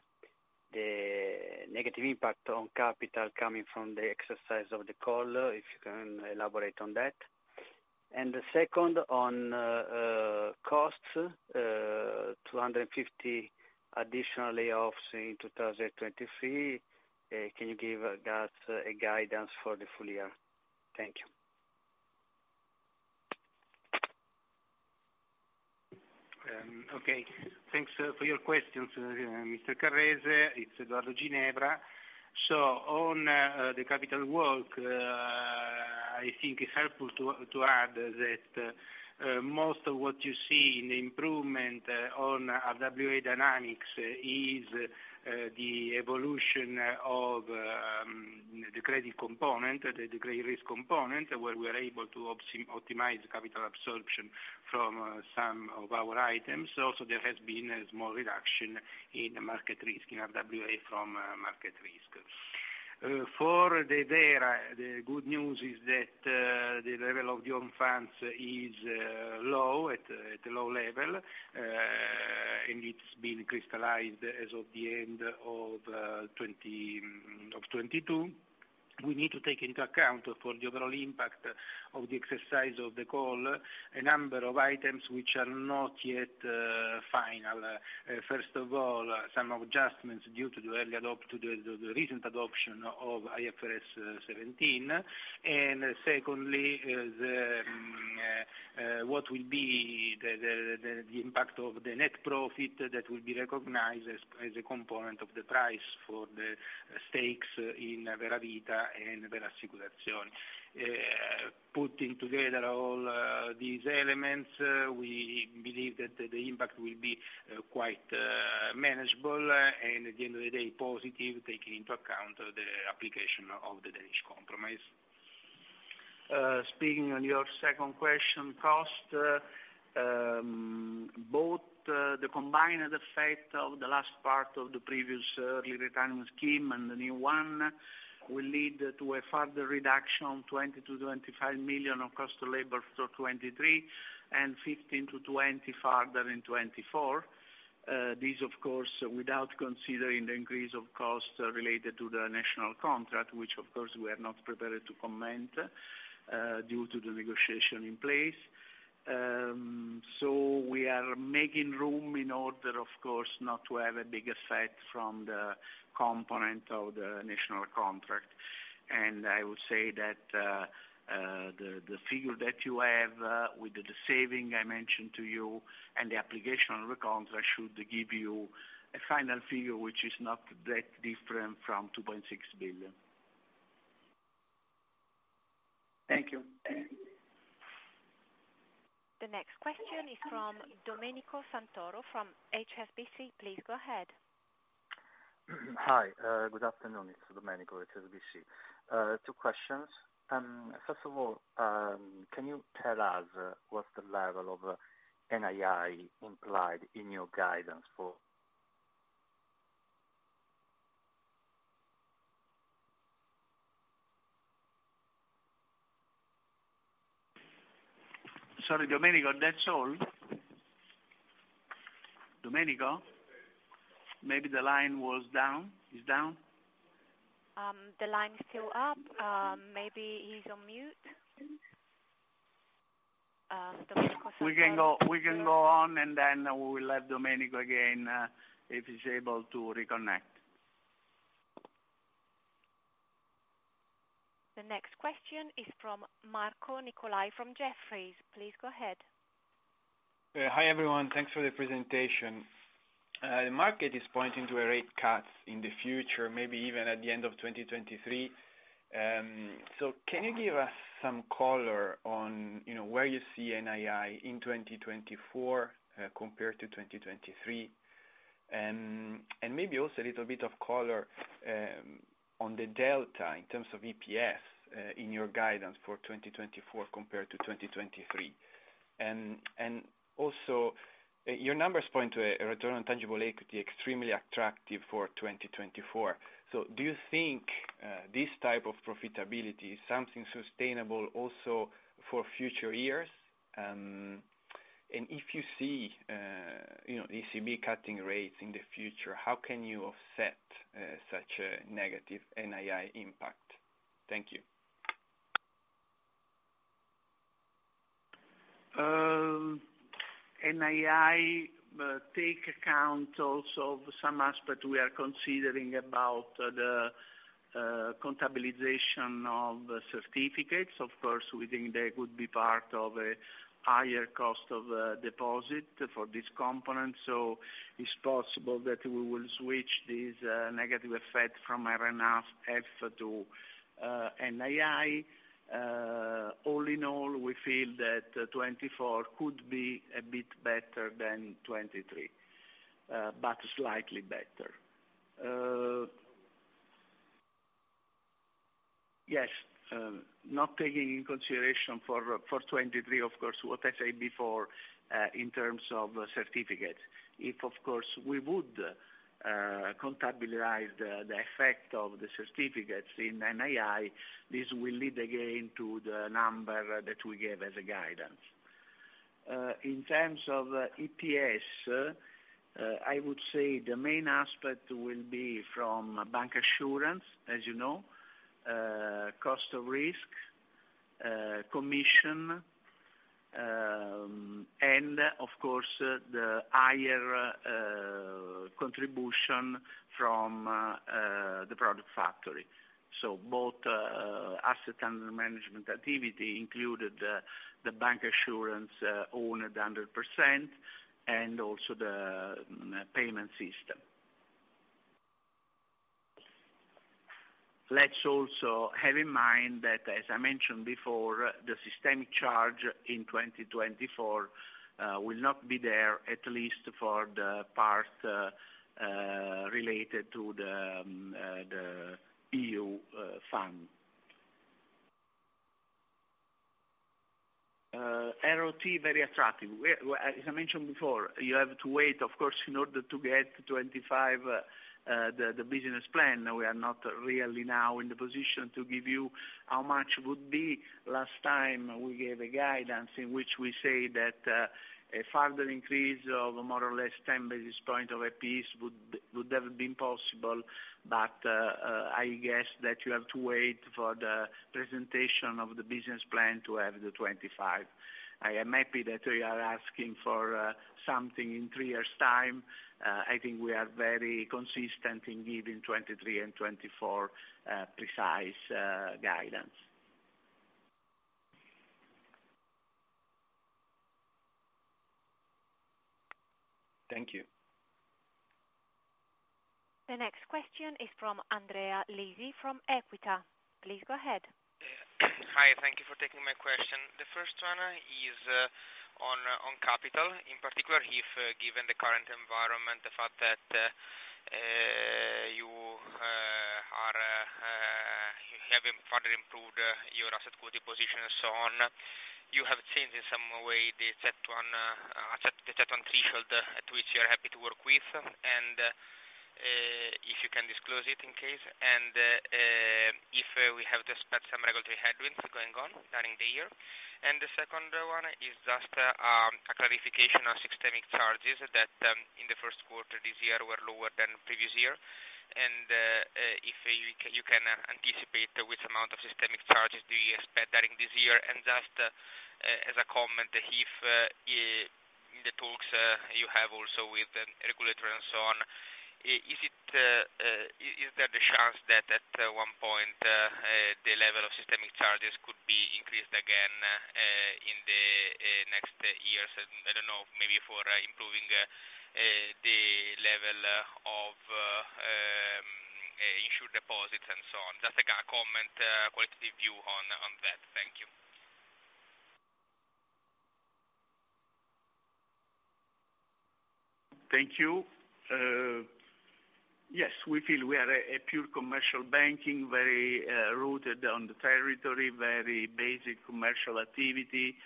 negative impact on capital coming from the exercise of the call, if you can elaborate on that. Second, on costs, 250 additional layoffs in 2023. Can you give us a guidance for the full year? Thank you. Okay. Thanks for your questions, Mr. Carrese. It's Edoardo Ginevra. On the capital work, I think it's helpful to add that most of what you see in the improvement on RWA dynamics is the evolution of the credit component, the credit risk component, where we are able to optimize capital absorption from some of our items. Also, there has been a small reduction in market risk, in RWA from market risk. For the Vera, the good news is that the level of the own funds is low, at a low level, and it's been crystallized as of the end of 2022. We need to take into account for the overall impact of the exercise of the call, a number of items which are not yet final. First of all, some adjustments due to the recent adoption of IFRS 17. Secondly, what will be the impact of the net profit that will be recognized as a component of the price for the stakes in Vera Vita and Vera Assicurazioni. Putting together all these elements, we believe that the impact will be quite manageable, and at the end of the day, positive, taking into account the application of the Danish Compromise. Speaking on your second question, costs. Both the combined effect of the last part of the previous early retirement scheme and the new one will lead to a further reduction of 20 million-25 million of cost to labor for 2023 and 15 million-20 million further in 2024. This of course, without considering the increase of costs related to the national contract, which of course we are not prepared to comment, due to the negotiation in place. We are making room in order, of course, not to have a big effect from the component of the national contract. I would say that the figure that you have with the saving I mentioned to you and the application of the contract should give you a final figure which is not that different from 2.6 billion. Thank you. The next question is from Domenico Santoro from HSBC. Please go ahead. Hi, good afternoon. It's Domenico at HSBC. Two questions. First of all, can you tell us what's the level of NII implied in your guidance for... Sorry, Domenico, that's all. Domenico? Maybe the line was down. It's down. The line is still up. Maybe he's on mute. We can go on, and then we will let Domenico again, if he's able to reconnect. The next question is from Marco Nicolai from Jefferies. Please go ahead. Hi, everyone. Thanks for the presentation. The market is pointing to a rate cut in the future, maybe even at the end of 2023. Can you give us some color on, you know, where you see NII in 2024 compared to 2023? Maybe also a little bit of color on the delta in terms of EPS in your guidance for 2024 compared to 2023, and also, your numbers point to a return on tangible equity extremely attractive for 2024. Do you think this type of profitability is something sustainable also for future years? If you see, you know, ECB cutting rates in the future, how can you offset such a negative NII impact? Thank you. NII take account also of some aspect we are considering about the contabilization of certificates. Of course, we think they could be part of a higher cost of deposit for this component. It's possible that we will switch this negative effect from NFR to NII. All in all, we feel that 2024 could be a bit better than 2023, but slightly better. Yes, not taking in consideration for 2023, of course, what I say before, in terms of certificates. If, of course, we would contabilize the effect of the certificates in NII, this will lead again to the number that we gave as a guidance. In terms of EPS, I would say the main aspect will be from bank assurance, as you know, cost of risk, commission, and of course, the higher contribution from the product factory. Both, asset under management activity included the bank assurance, owned 100% and also the payment system. Let's also have in mind that, as I mentioned before, the systemic charge in 2024, will not be there at least for the part related to the EU fund. RoTE very attractive. As I mentioned before, you have to wait, of course, in order to get 25, the business plan. We are not really now in the position to give you how much would be. Last time we gave a guidance in which we say that a further increase of more or less 10 basis point of a piece would have been possible. I guess that you have to wait for the presentation of the business plan to have the 25. I am happy that we are asking for something in 3 years' time. I think we are very consistent in giving 23 and 24 precise guidance. Thank you. The next question is from Andrea Lisi from EQUITA. Please go ahead. Yeah. Hi, thank you for taking my question. The first one is on capital, in particular if, given the current environment, the fact that you have further improved your asset quality position and so on. You have changed in some way the CET1 threshold at which you're happy to work with, and if you can disclose it in case, and if we have just spent some regulatory headwinds going on during the year. The second one is just a clarification on systemic charges that in the Q1 this year were lower than previous year. If you can anticipate which amount of systemic charges do you expect during this year. Just, as a comment, if the talks you have also with the regulator and so on, is it, is there the chance that at one point, the level of systemic charges could be increased again in the next years? I don't know, maybe for improving the level of insured deposits and so on. Just a comment, qualitative view on that. Thank you. Thank you. Yes, we feel we are a pure commercial banking, very rooted on the territory, very basic commercial activity.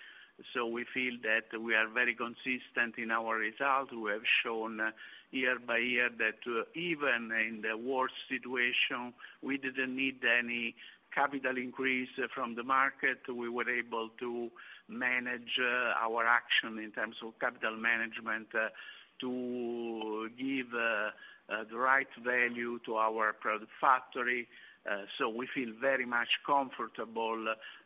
We feel that we are very consistent in our results. We have shown year by year that even in the worst situation, we didn't need any capital increase from the market. We were able to manage our action in terms of capital management to give the right value to our product factory. We feel very much comfortable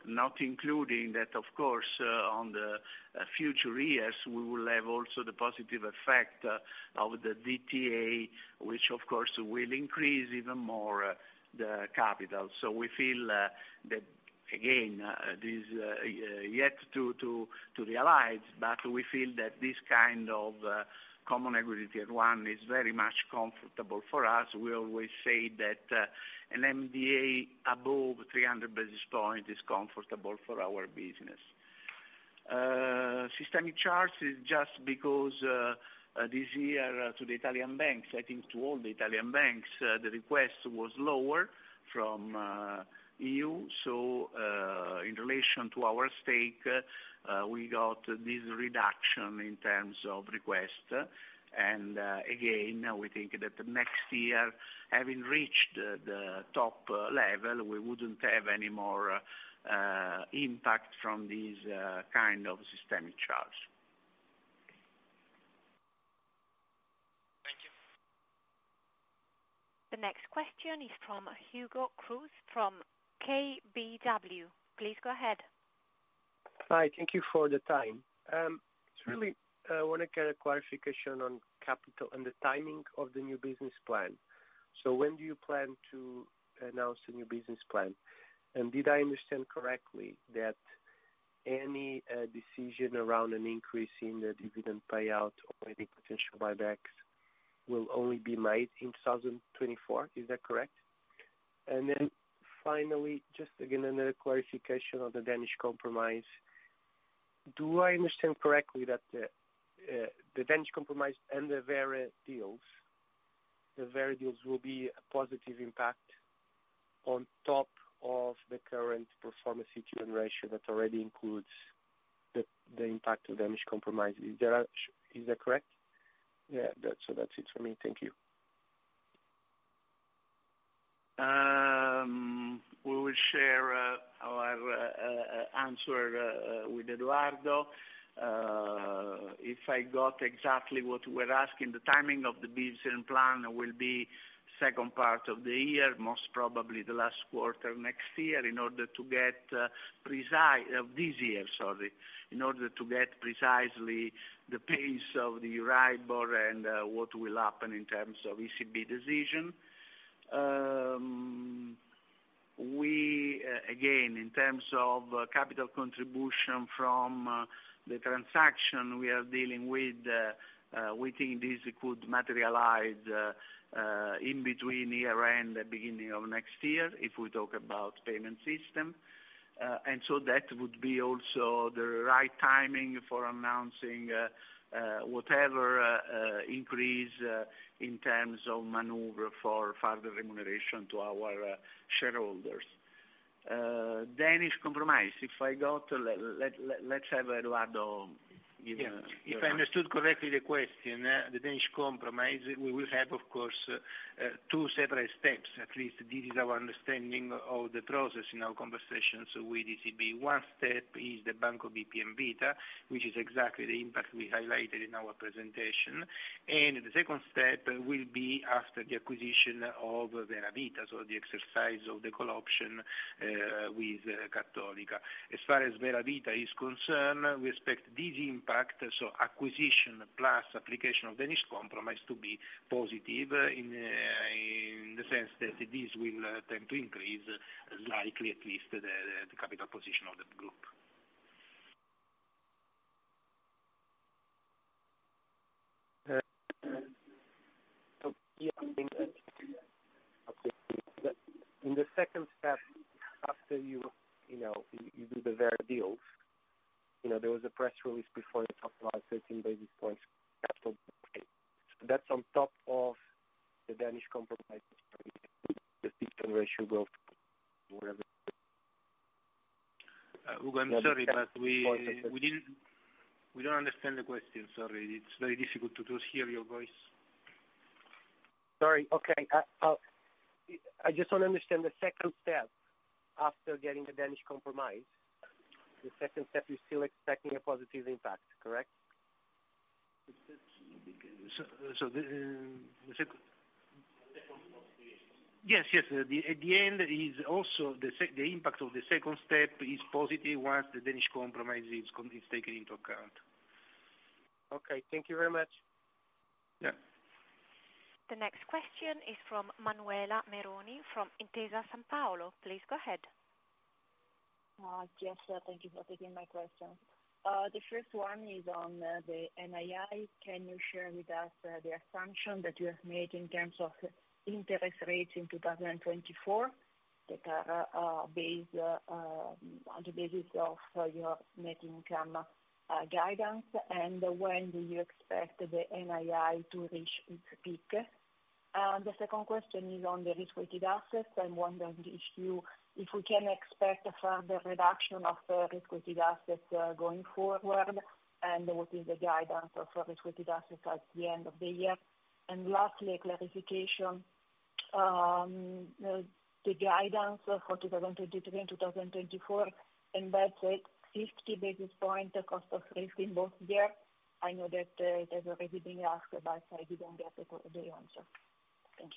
not including that, of course, on the future years, we will have also the positive effect of the DTA, which of course will increase even more the capital. We feel that again, this yet to realize, but we feel that this kind of Common Equity Tier 1 is very much comfortable for us. We always say that an MDA above 300 basis point is comfortable for our business. Systemic charge is just because this year to the Italian banks, I think to all the Italian banks, the request was lower from EU. In relation to our stake, we got this reduction in terms of request. Again, we think that next year, having reached the top level, we wouldn't have any more impact from these kind of systemic charge. Thank you. The next question is from Hugo Cruz from KBW. Please go ahead. Hi, thank you for the time. Just really wanna get a clarification on capital and the timing of the new business plan. When do you plan to announce the new business plan? Did I understand correctly that any decision around an increase in the dividend payout or any potential buybacks will only be made in 2024? Is that correct? Finally, just again, another clarification on the Danish Compromise. Do I understand correctly that the Danish Compromise and the Vera deals, the Vera deals will be a positive impact on top of the current performance that already includes the impact of Danish Compromise. Is that correct? Yeah, that's it for me. Thank you. We will share our answer with Eduardo. If I got exactly what we're asking, the timing of the business plan will be second part of the year, most probably the last quarter of next year, in order to get this year, sorry, in order to get precisely the pace of the Euribor and what will happen in terms of ECB decision. We again, in terms of capital contribution from the transaction we are dealing with, we think this could materialize in between year-end, the beginning of next year, if we talk about payment system. That would be also the right timing for announcing whatever increase in terms of maneuver for further remuneration to our shareholders. Danish Compromise, if I got... Let's have Eduardo give. Yeah. If I understood correctly the question, the Danish Compromise, we will have, of course, two separate steps. At least this is our understanding of the process in our conversations with ECB. One step is the Banco BPM Vita, which is exactly the impact we highlighted in our presentation. The second step will be after the acquisition of Vera Vita, so the exercise of the call option, with Cattolica Assicurazioni. As far as Vera Vita is concerned, we expect this impact, so acquisition plus application of Danish Compromise to be positive in the sense that this will tend to increase, likely at least, the capital position of the group. Yeah, I think that in the second step, after you know, you do the Vera deals, you know, there was a press release before you talked about 13 basis points capital. That's on top of the Danish Compromise. Hugo, I'm sorry, we don't understand the question. Sorry. It's very difficult to hear your voice. Sorry. Okay. I'll just want to understand the second step after getting the Danish Compromise. The second step, you're still expecting a positive impact, correct? So, so the, um, the second- The second one. Yes, yes. At the end is also the impact of the second step is positive once the Danish Compromise is taken into account. Okay. Thank you very much. Yeah. The next question is from Manuela Meroni from Intesa Sanpaolo. Please go ahead. Yes. Thank you for taking my question. The first one is on the NII. Can you share with us the assumption that you have made in terms of interest rates in 2024 that are based on the basis of your net income guidance? When do you expect the NII to reach its peak? The second question is on the risk-weighted assets. I'm wondering if we can expect a further reduction of the risk-weighted assets going forward, and what is the guidance of risk-weighted assets at the end of the year? Lastly, a clarification, the guidance for 2023 and 2024, embed, say, 50 basis point cost of risk in both year. I know that it has already been asked, but I didn't get the answer. Thank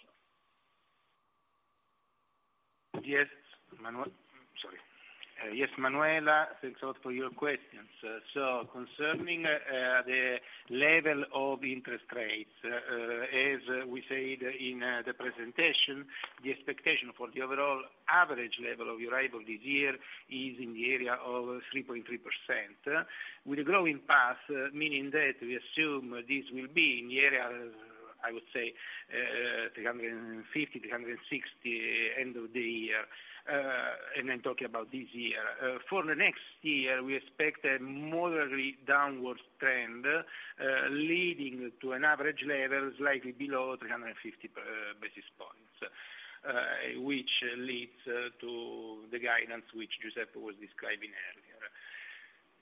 you. Sorry. Yes, Manuela. Thanks a lot for your questions. Concerning the level of interest rates, as we said in the presentation, the expectation for the overall average level of Euribor this year is in the area of 3.3%. With a growing path, meaning that we assume this will be in the area. I would say, 350, 360 end of the year. I'm talking about this year. For the next year, we expect a moderately downwards trend, leading to an average level slightly below 350 basis points, which leads to the guidance which Giuseppe was describing earlier.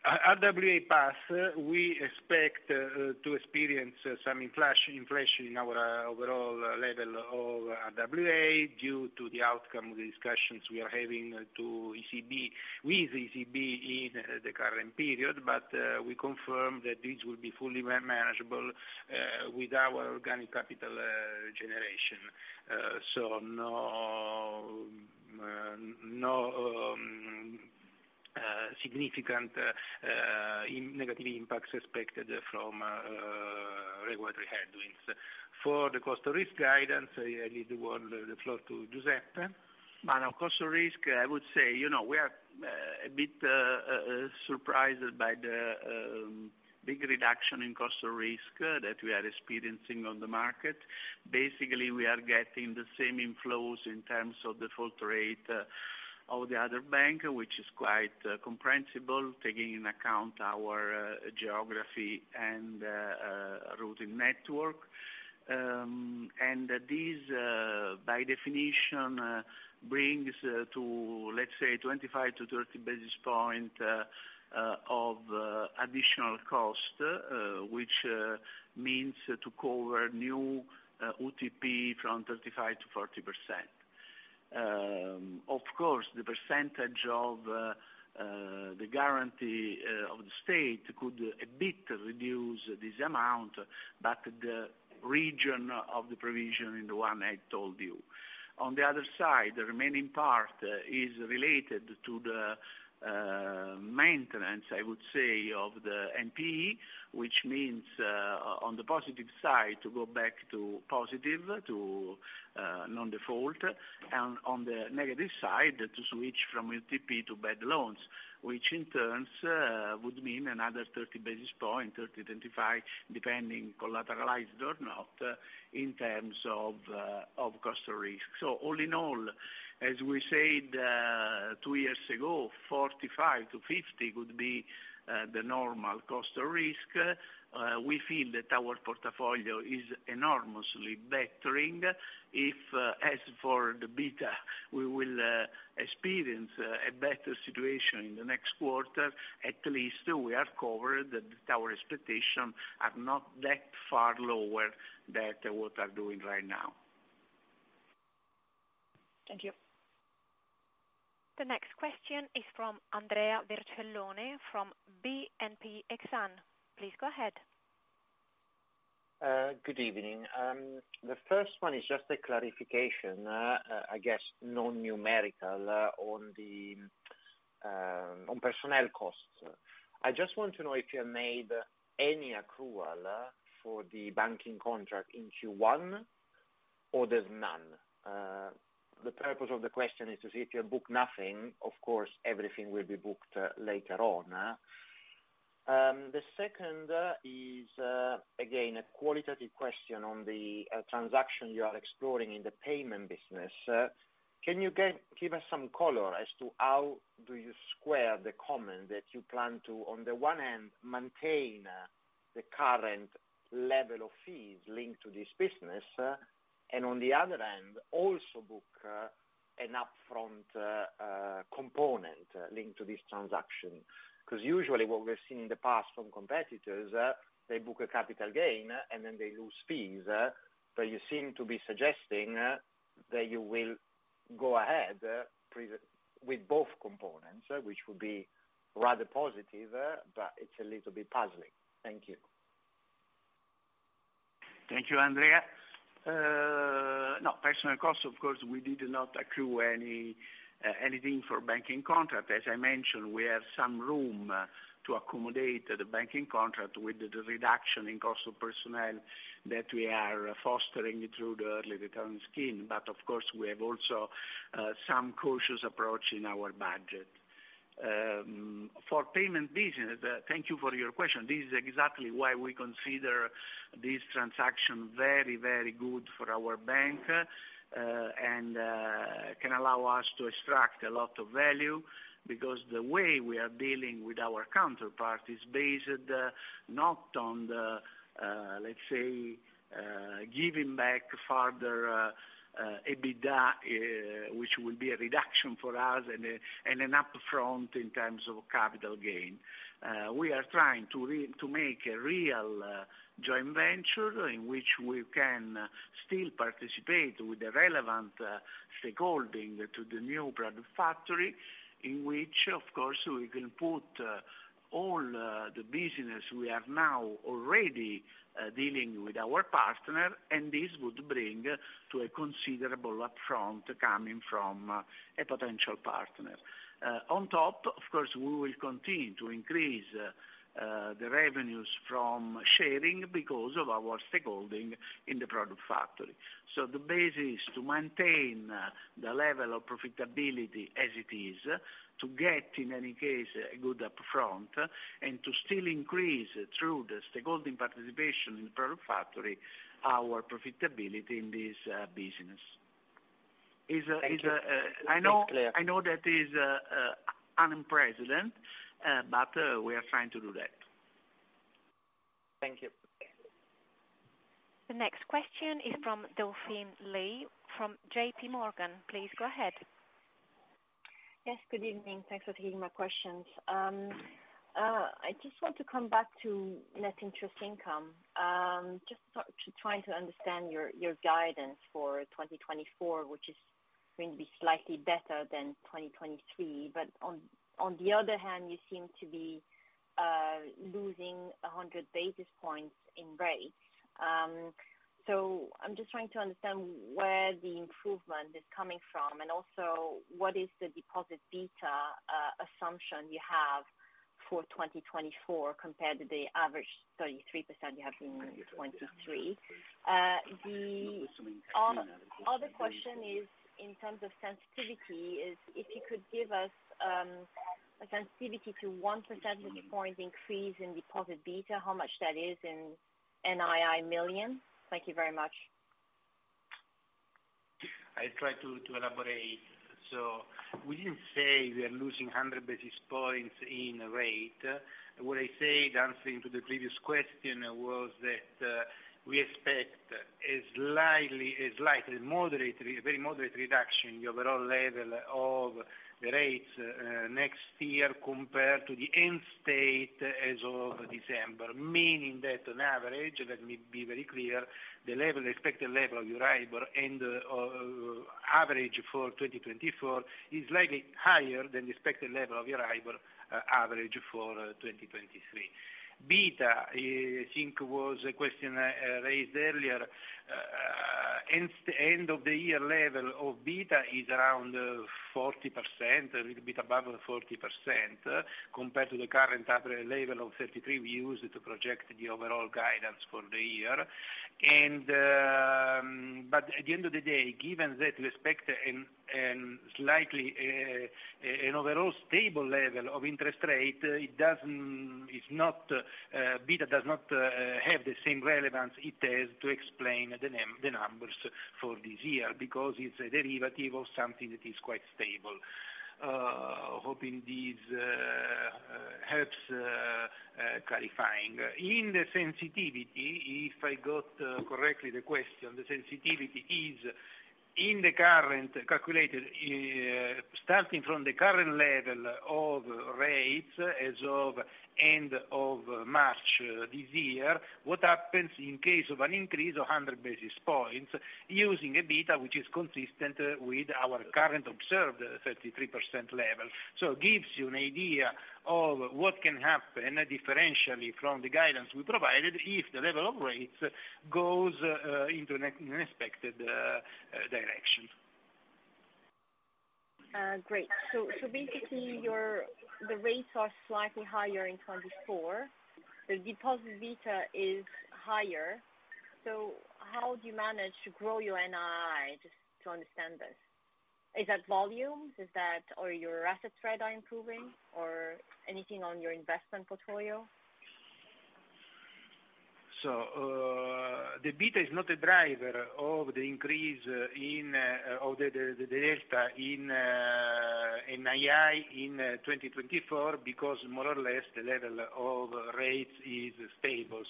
RWA pass, we expect to experience some inflation in our overall level of RWA due to the outcome of the discussions we are having to ECB, with ECB in the current period. We confirm that this will be fully manageable with our organic capital generation. No significant negative impacts expected from regulatory headwinds. For the cost of risk guidance, I leave the word, the floor to Giuseppe. On cost of risk, I would say, you know, we are a bit surprised by the big reduction in cost of risk that we are experiencing on the market. Basically, we are getting the same inflows in terms of default rate of the other bank, which is quite comprehensible, taking into account our geography and routing network. This by definition brings to, let's say, 25-30 basis points of additional cost, which means to cover new UTP from 35-40%. Of course, the percentage of the guarantee of the state could a bit reduce this amount, the region of the provision is the one I told you. On the other side, the remaining part is related to the maintenance, I would say, of the NPE, which means, on the positive side, to go back to positive, to non-default, and on the negative side, to switch from UTP to bad loans, which in turn, would mean another 30 basis point, 30-35, depending collateralized or not, in terms of cost of risk. All in all, as we said, two years ago, 45-50 would be the normal cost of risk. We feel that our portfolio is enormously bettering. If, as for the beta, we will experience a better situation in the next quarter, at least we are covered, that our expectations are not that far lower than what we are doing right now. Thank you. The next question is from Andrea Virtellone from BNP Exane. Please go ahead. Good evening. The first one is just a clarification, I guess non-numerical, on the on personnel costs. I just want to know if you made any accrual for the banking contract in Q1, or there's none. The purpose of the question is to see if you book nothing, of course, everything will be booked later on. The second is again, a qualitative question on the transaction you are exploring in the payment business. Can you give us some color as to how do you square the comment that you plan to, on the one hand, maintain the current level of fees linked to this business, and on the other hand, also book an upfront component linked to this transaction? Usually what we've seen in the past from competitors, they book a capital gain, and then they lose fees, but you seem to be suggesting, that you will go ahead with both components, which would be rather positive, but it's a little bit puzzling. Thank you. Thank you, Andrea. No, personal costs, of course, we did not accrue any anything for banking contract. As I mentioned, we have some room to accommodate the banking contract with the reduction in cost of personnel that we are fostering through the early return scheme. Of course, we have also some cautious approach in our budget. For payment business, thank you for your question. This is exactly why we consider this transaction very, very good for our bank and can allow us to extract a lot of value because the way we are dealing with our counterpart is based not on the, let's say, giving back further EBITDA, which will be a reduction for us and an upfront in terms of capital gain. We are trying to make a real joint venture in which we can still participate with the relevant stakeholding to the new product factory, in which of course, we can put all the business we have now already dealing with our partner. This would bring to a considerable upfront coming from a potential partner. On top, of course, we will continue to increase the revenues from sharing because of our stakeholding in the product factory. The base is to maintain the level of profitability as it is, to get in any case a good upfront, and to still increase through the stakeholding participation in the product factory our profitability in this business. Is a, is a, uh- Thank you. I know that is unprecedented, but we are trying to do that. Thank you. The next question is from Delphine Lee from JPMorgan. Please go ahead. Yes. Good evening. Thanks for taking my questions. I just want to come back to net interest income. Just trying to understand your guidance for 2024, which is going to be slightly better than 2023. On the other hand, you seem to be losing 100 basis points in rates. I'm just trying to understand where the improvement is coming from, and also what is the deposit beta assumption you have for 2024 compared to the average 33% you have in 2023. The other question is in terms of sensitivity is if you could give us a sensitivity to 1 percent of the points increase in deposit beta, how much that is in NII million. Thank you very much. I try to elaborate. We didn't say we are losing 100 basis points in rate. What I said answering to the previous question was that we expect a slightly moderate reduction in the overall level of the rates next year compared to the end state as of December. Meaning that on average, let me be very clear, the level, expected level of Euribor and average for 2024 is slightly higher than the expected level of Euribor average for 2023. Beta, I think was a question raised earlier. End of the year level of beta is around 40%, a little bit above 40%, compared to the current average level of 33 we used to project the overall guidance for the year. day, given that we expect a slightly overall stable level of interest rate, it doesn't. It's not, beta does not have the same relevance it has to explain the numbers for this year because it's a derivative of something that is quite stable. Hoping this helps clarifying. In the sensitivity, if I got correctly the question, the sensitivity is in the current calculated, starting from the current level of rates as of end of March this year, what happens in case of an increase of 100 basis points using a beta which is consistent with our current observed 33% level. So it gives you an idea of what can happen differentially from the guidance we provided if the level of rates goes into an expected direction. Great. Basically the rates are slightly higher in 2024. The deposit beta is higher. How do you manage to grow your NII, just to understand this? Is that volumes? Is that or your asset trade are improving or anything on your investment portfolio? The beta is not a driver of the increase in of the delta in NII in 2024 because more or less the level of rates is stable.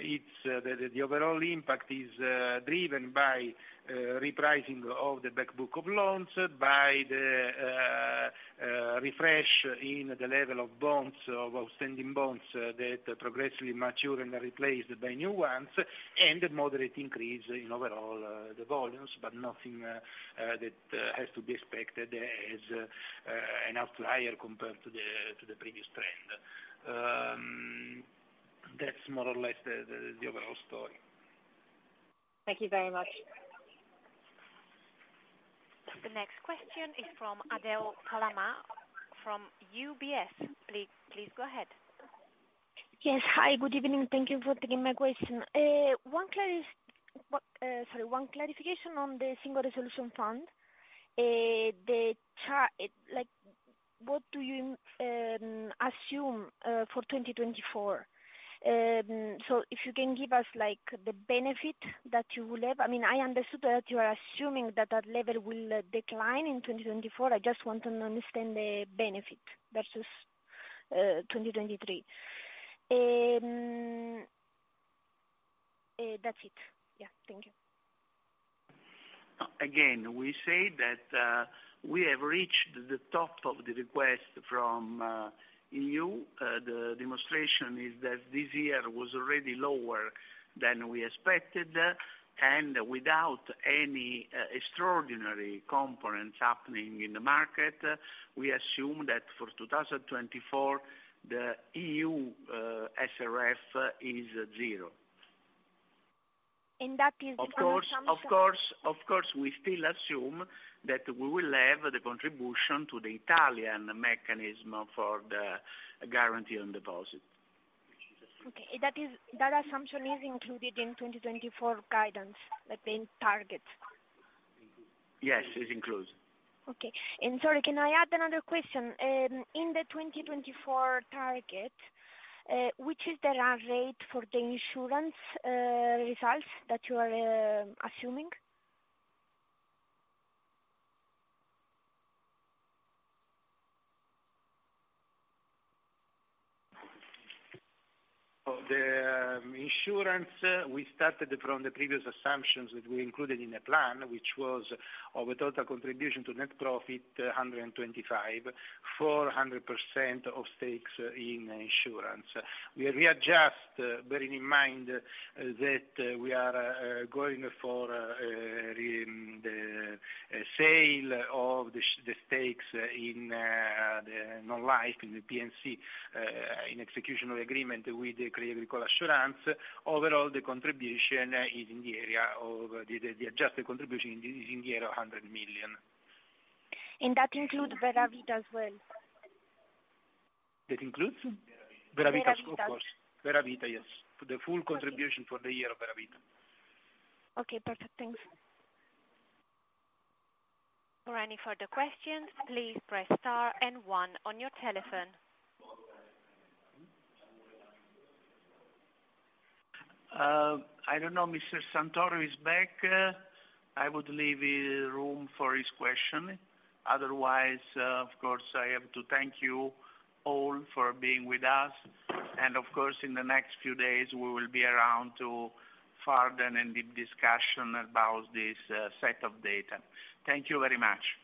It's the overall impact is driven by repricing of the back book of loans, by the refresh in the level of bonds, of outstanding bonds that progressively mature and are replaced by new ones, and the moderate increase in overall the volumes, but nothing that has to be expected as an outlier compared to the previous trend. That's more or less the overall story. Thank you very much. The next question is from Adele Palama from UBS. Please go ahead. Yes. Hi. Good evening. Thank you for taking my question. One clarification on the Single Resolution Fund. Like, what do you assume for 2024? If you can give us like the benefit that you will have. I mean, I understood that you are assuming that that level will decline in 2024. I just want to understand the benefit versus 2023. That's it. Yeah. Thank you. Again, we say that, we have reached the top of the request from EU. The demonstration is that this year was already lower than we expected. Without any extraordinary components happening in the market, we assume that for 2024, the EU SRF is 0. that is the common assumption. Of course, we still assume that we will have the contribution to the Italian mechanism for the guarantee on deposit. That is, that assumption is included in 2024 guidance, like in targets? Yes, it's included. Okay. Sorry, can I add another question? In the 2024 target, which is the run rate for the insurance results that you are assuming? For the insurance, we started from the previous assumptions that we included in the plan, which was of a total contribution to net profit, 125, 400% of stakes in insurance. We readjust, bearing in mind that we are going for the sale of the stakes in the non-life, in the P&C, in executional agreement with the Crédit Agricole Assurances. The adjusted contribution is in the area of 100 million. That include Vera Vita as well? That includes? Vera Vita. Vera Vita. Vera Vita, of course. Vera Vita, yes. The full contribution for the year of Vera Vita. Okay. Perfect. Thanks. For any further questions, please press star and one on your telephone. I don't know, Mr. Santoro is back. I would leave room for his question. Otherwise, of course, I have to thank you all for being with us. Of course, in the next few days we will be around to further in-depth discussion about this set of data. Thank you very much.